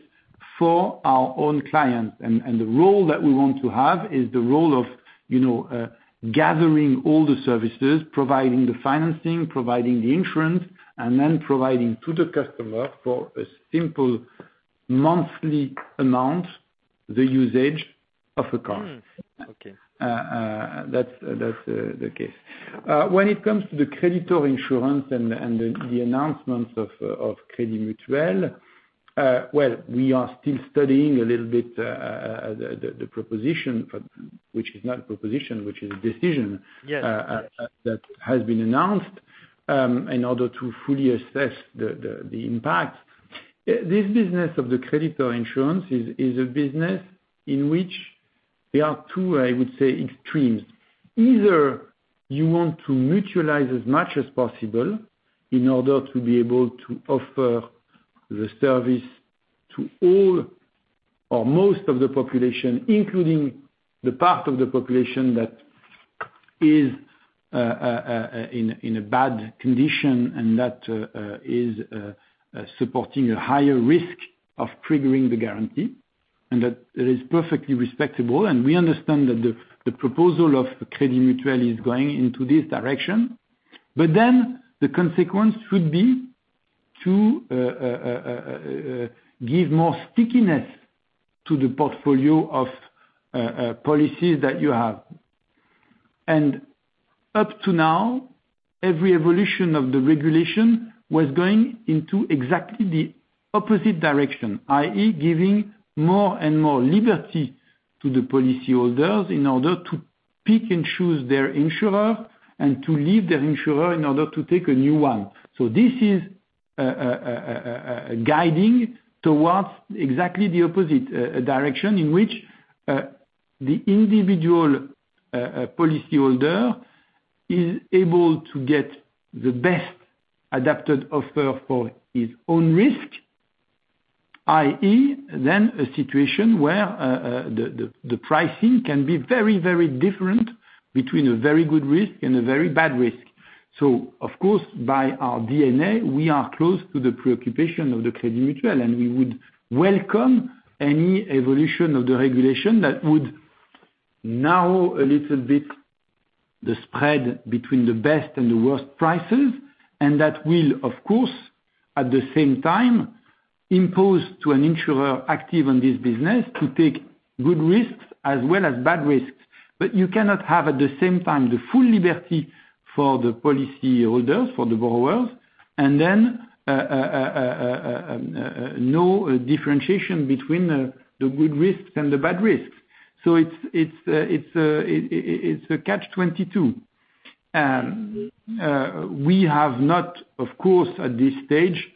for our own clients. The role that we want to have is the role of, you know, gathering all the services, providing the financing, providing the insurance, and then providing to the customer, for a simple monthly amount, the usage of a car. Okay. That's the case. When it comes to the creditor insurance and the announcements of Crédit Mutuel, well, we are still studying a little bit the proposition, but which is not a proposition, which is a decision- Yes. That has been announced in order to fully assess the impact. This business of the credit insurance is a business in which there are two, I would say, extremes. Either you want to mutualize as much as possible in order to be able to offer the service to all or most of the population, including the part of the population that is in a bad condition and that is supporting a higher risk of triggering the guarantee, and that is perfectly respectable. We understand that the proposal of Crédit Mutuel is going into this direction. Then the consequence should be to give more stickiness to the portfolio of policies that you have. Up to now, every evolution of the regulation was going into exactly the opposite direction, i.e., giving more and more liberty to the policyholders in order to pick and choose their insurer and to leave their insurer in order to take a new one. This is guiding towards exactly the opposite direction, in which the individual policyholder is able to get the best adapted offer for his own risk, i.e., then a situation where the pricing can be very, very different between a very good risk and a very bad risk. Of course, by our DNA, we are close to the preoccupation of the Crédit Mutuel, and we would welcome any evolution of the regulation that would narrow a little bit the spread between the best and the worst prices, and that will, of course, at the same time, impose on an insurer active in this business to take good risks as well as bad risks. You cannot have, at the same time, the full liberty for the policyholders, for the borrowers, and then no differentiation between the good risks and the bad risks. It's a catch-22. We have not, of course, at this stage,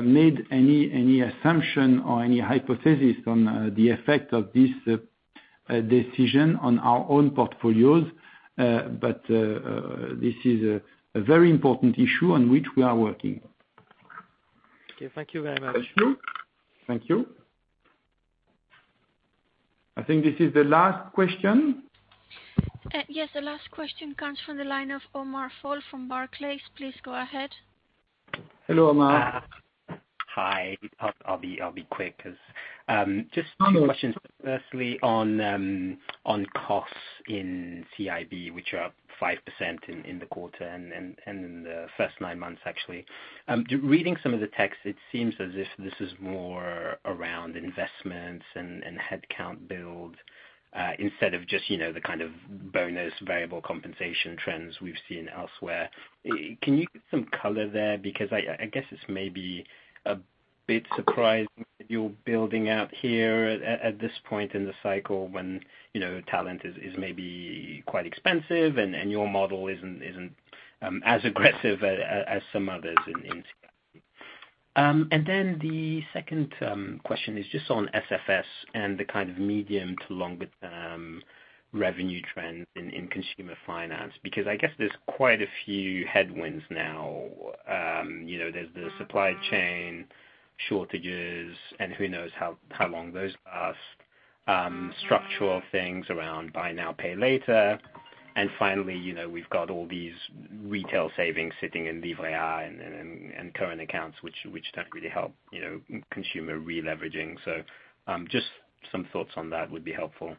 made any assumption or any hypothesis on the effect of this decision on our own portfolios, but this is a very important issue on which we are working. Okay. Thank you very much. Thank you. Thank you. I think this is the last question. Yes, the last question comes from the line of Omar Fall from Barclays. Please go ahead. Hello, Omar. Hi. I'll be quick 'cause just two questions. Firstly, on costs in CIB, which are up 5% in the quarter and in the first nine months actually. Reading some of the texts, it seems as if this is more around investments and head count build instead of just, you know, the kind of bonus variable compensation trends we've seen elsewhere. Can you give some color there? Because I guess it's maybe a bit surprising that you're building out here at this point in the cycle when, you know, talent is maybe quite expensive and your model isn't as aggressive as some others in CIB. The second question is just on SFS and the kind of medium to longer-term revenue trends in consumer finance. Because I guess there's quite a few headwinds now. You know, there's the supply chain shortages and who knows how long those last. Structural things around buy now, pay later. Finally, you know, we've got all these retail savings sitting in Livret A and current accounts, which don't really help, you know, consumer re-leveraging. Just some thoughts on that would be helpful.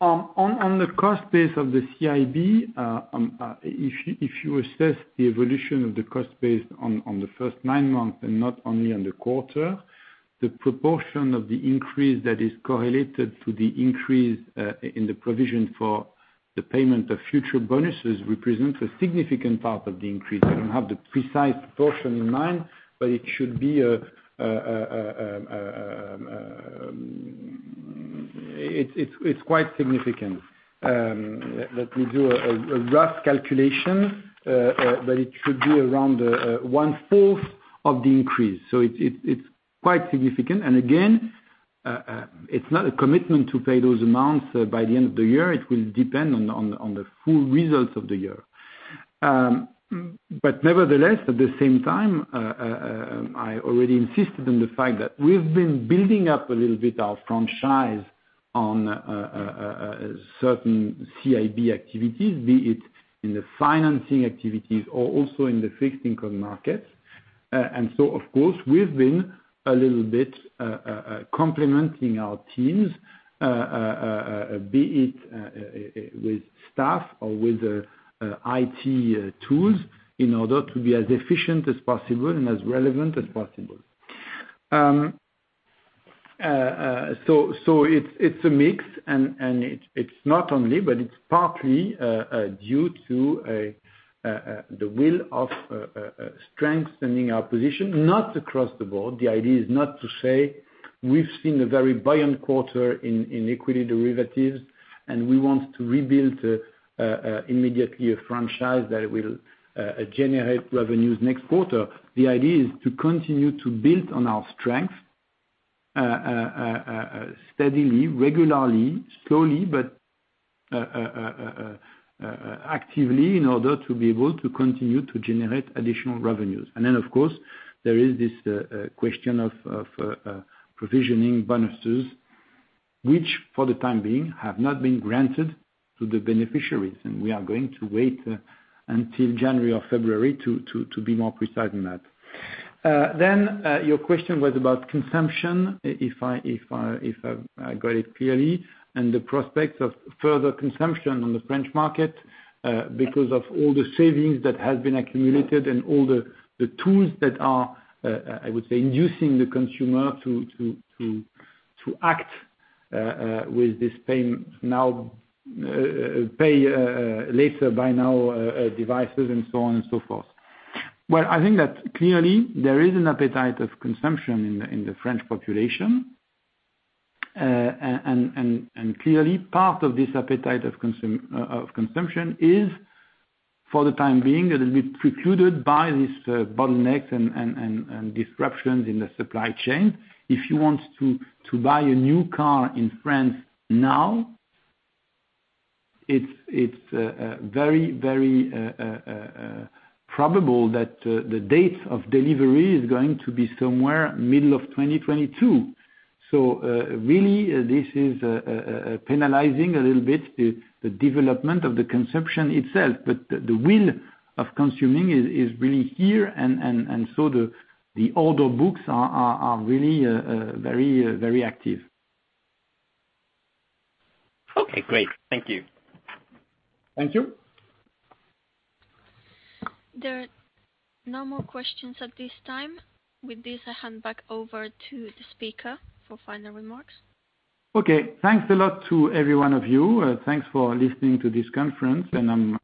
On the cost base of the CIB, if you assess the evolution of the cost base on the first nine months and not only on the quarter, the proportion of the increase that is correlated to the increase in the provision for the payment of future bonuses represents a significant part of the increase. I don't have the precise proportion in mind, but it should be, it's quite significant. Let me do a rough calculation, but it should be around one-fourth of the increase, so it's quite significant. Again, it's not a commitment to pay those amounts by the end of the year. It will depend on the full results of the year. Nevertheless, at the same time, I already insisted on the fact that we've been building up a little bit our franchise on certain CIB activities, be it in the financing activities or also in the fixed income markets. Of course, we've been a little bit complementing our teams, be it with staff or with the IT tools in order to be as efficient as possible and as relevant as possible. It's a mix and it's not only, but it's partly due to the will of strengthening our position, not across the board. The idea is not to say we've seen a very buoyant quarter in equity derivatives and we want to rebuild immediately a franchise that will generate revenues next quarter. The idea is to continue to build on our strength steadily, regularly, slowly, but actively in order to be able to continue to generate additional revenues. Of course, there is this question of provisioning bonuses, which for the time being have not been granted to the beneficiaries, and we are going to wait until January or February to be more precise on that. Your question was about consumption, if I got it clearly, and the prospects of further consumption on the French market, because of all the savings that have been accumulated and all the tools that are, I would say, inducing the consumer to act with this pay now pay later buy now devices and so on and so forth. Well, I think that clearly there is an appetite of consumption in the French population. And clearly part of this appetite of consumption is, for the time being, a little bit precluded by this bottlenecks and disruptions in the supply chain. If you want to buy a new car in France now, it's very probable that the date of delivery is going to be somewhere middle of 2022. Really this is penalizing a little bit the development of the consumption itself. The will of consuming is really here and so the order books are really very active. Okay, great. Thank you. Thank you. There are no more questions at this time. With this, I hand back over to the speaker for final remarks. Okay. Thanks a lot to every one of you. Thanks for listening to this conference, and I'm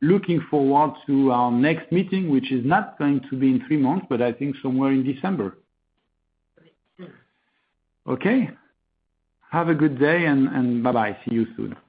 looking forward to our next meeting, which is not going to be in three months, but I think somewhere in December. Okay. Have a good day, and bye-bye. See you soon.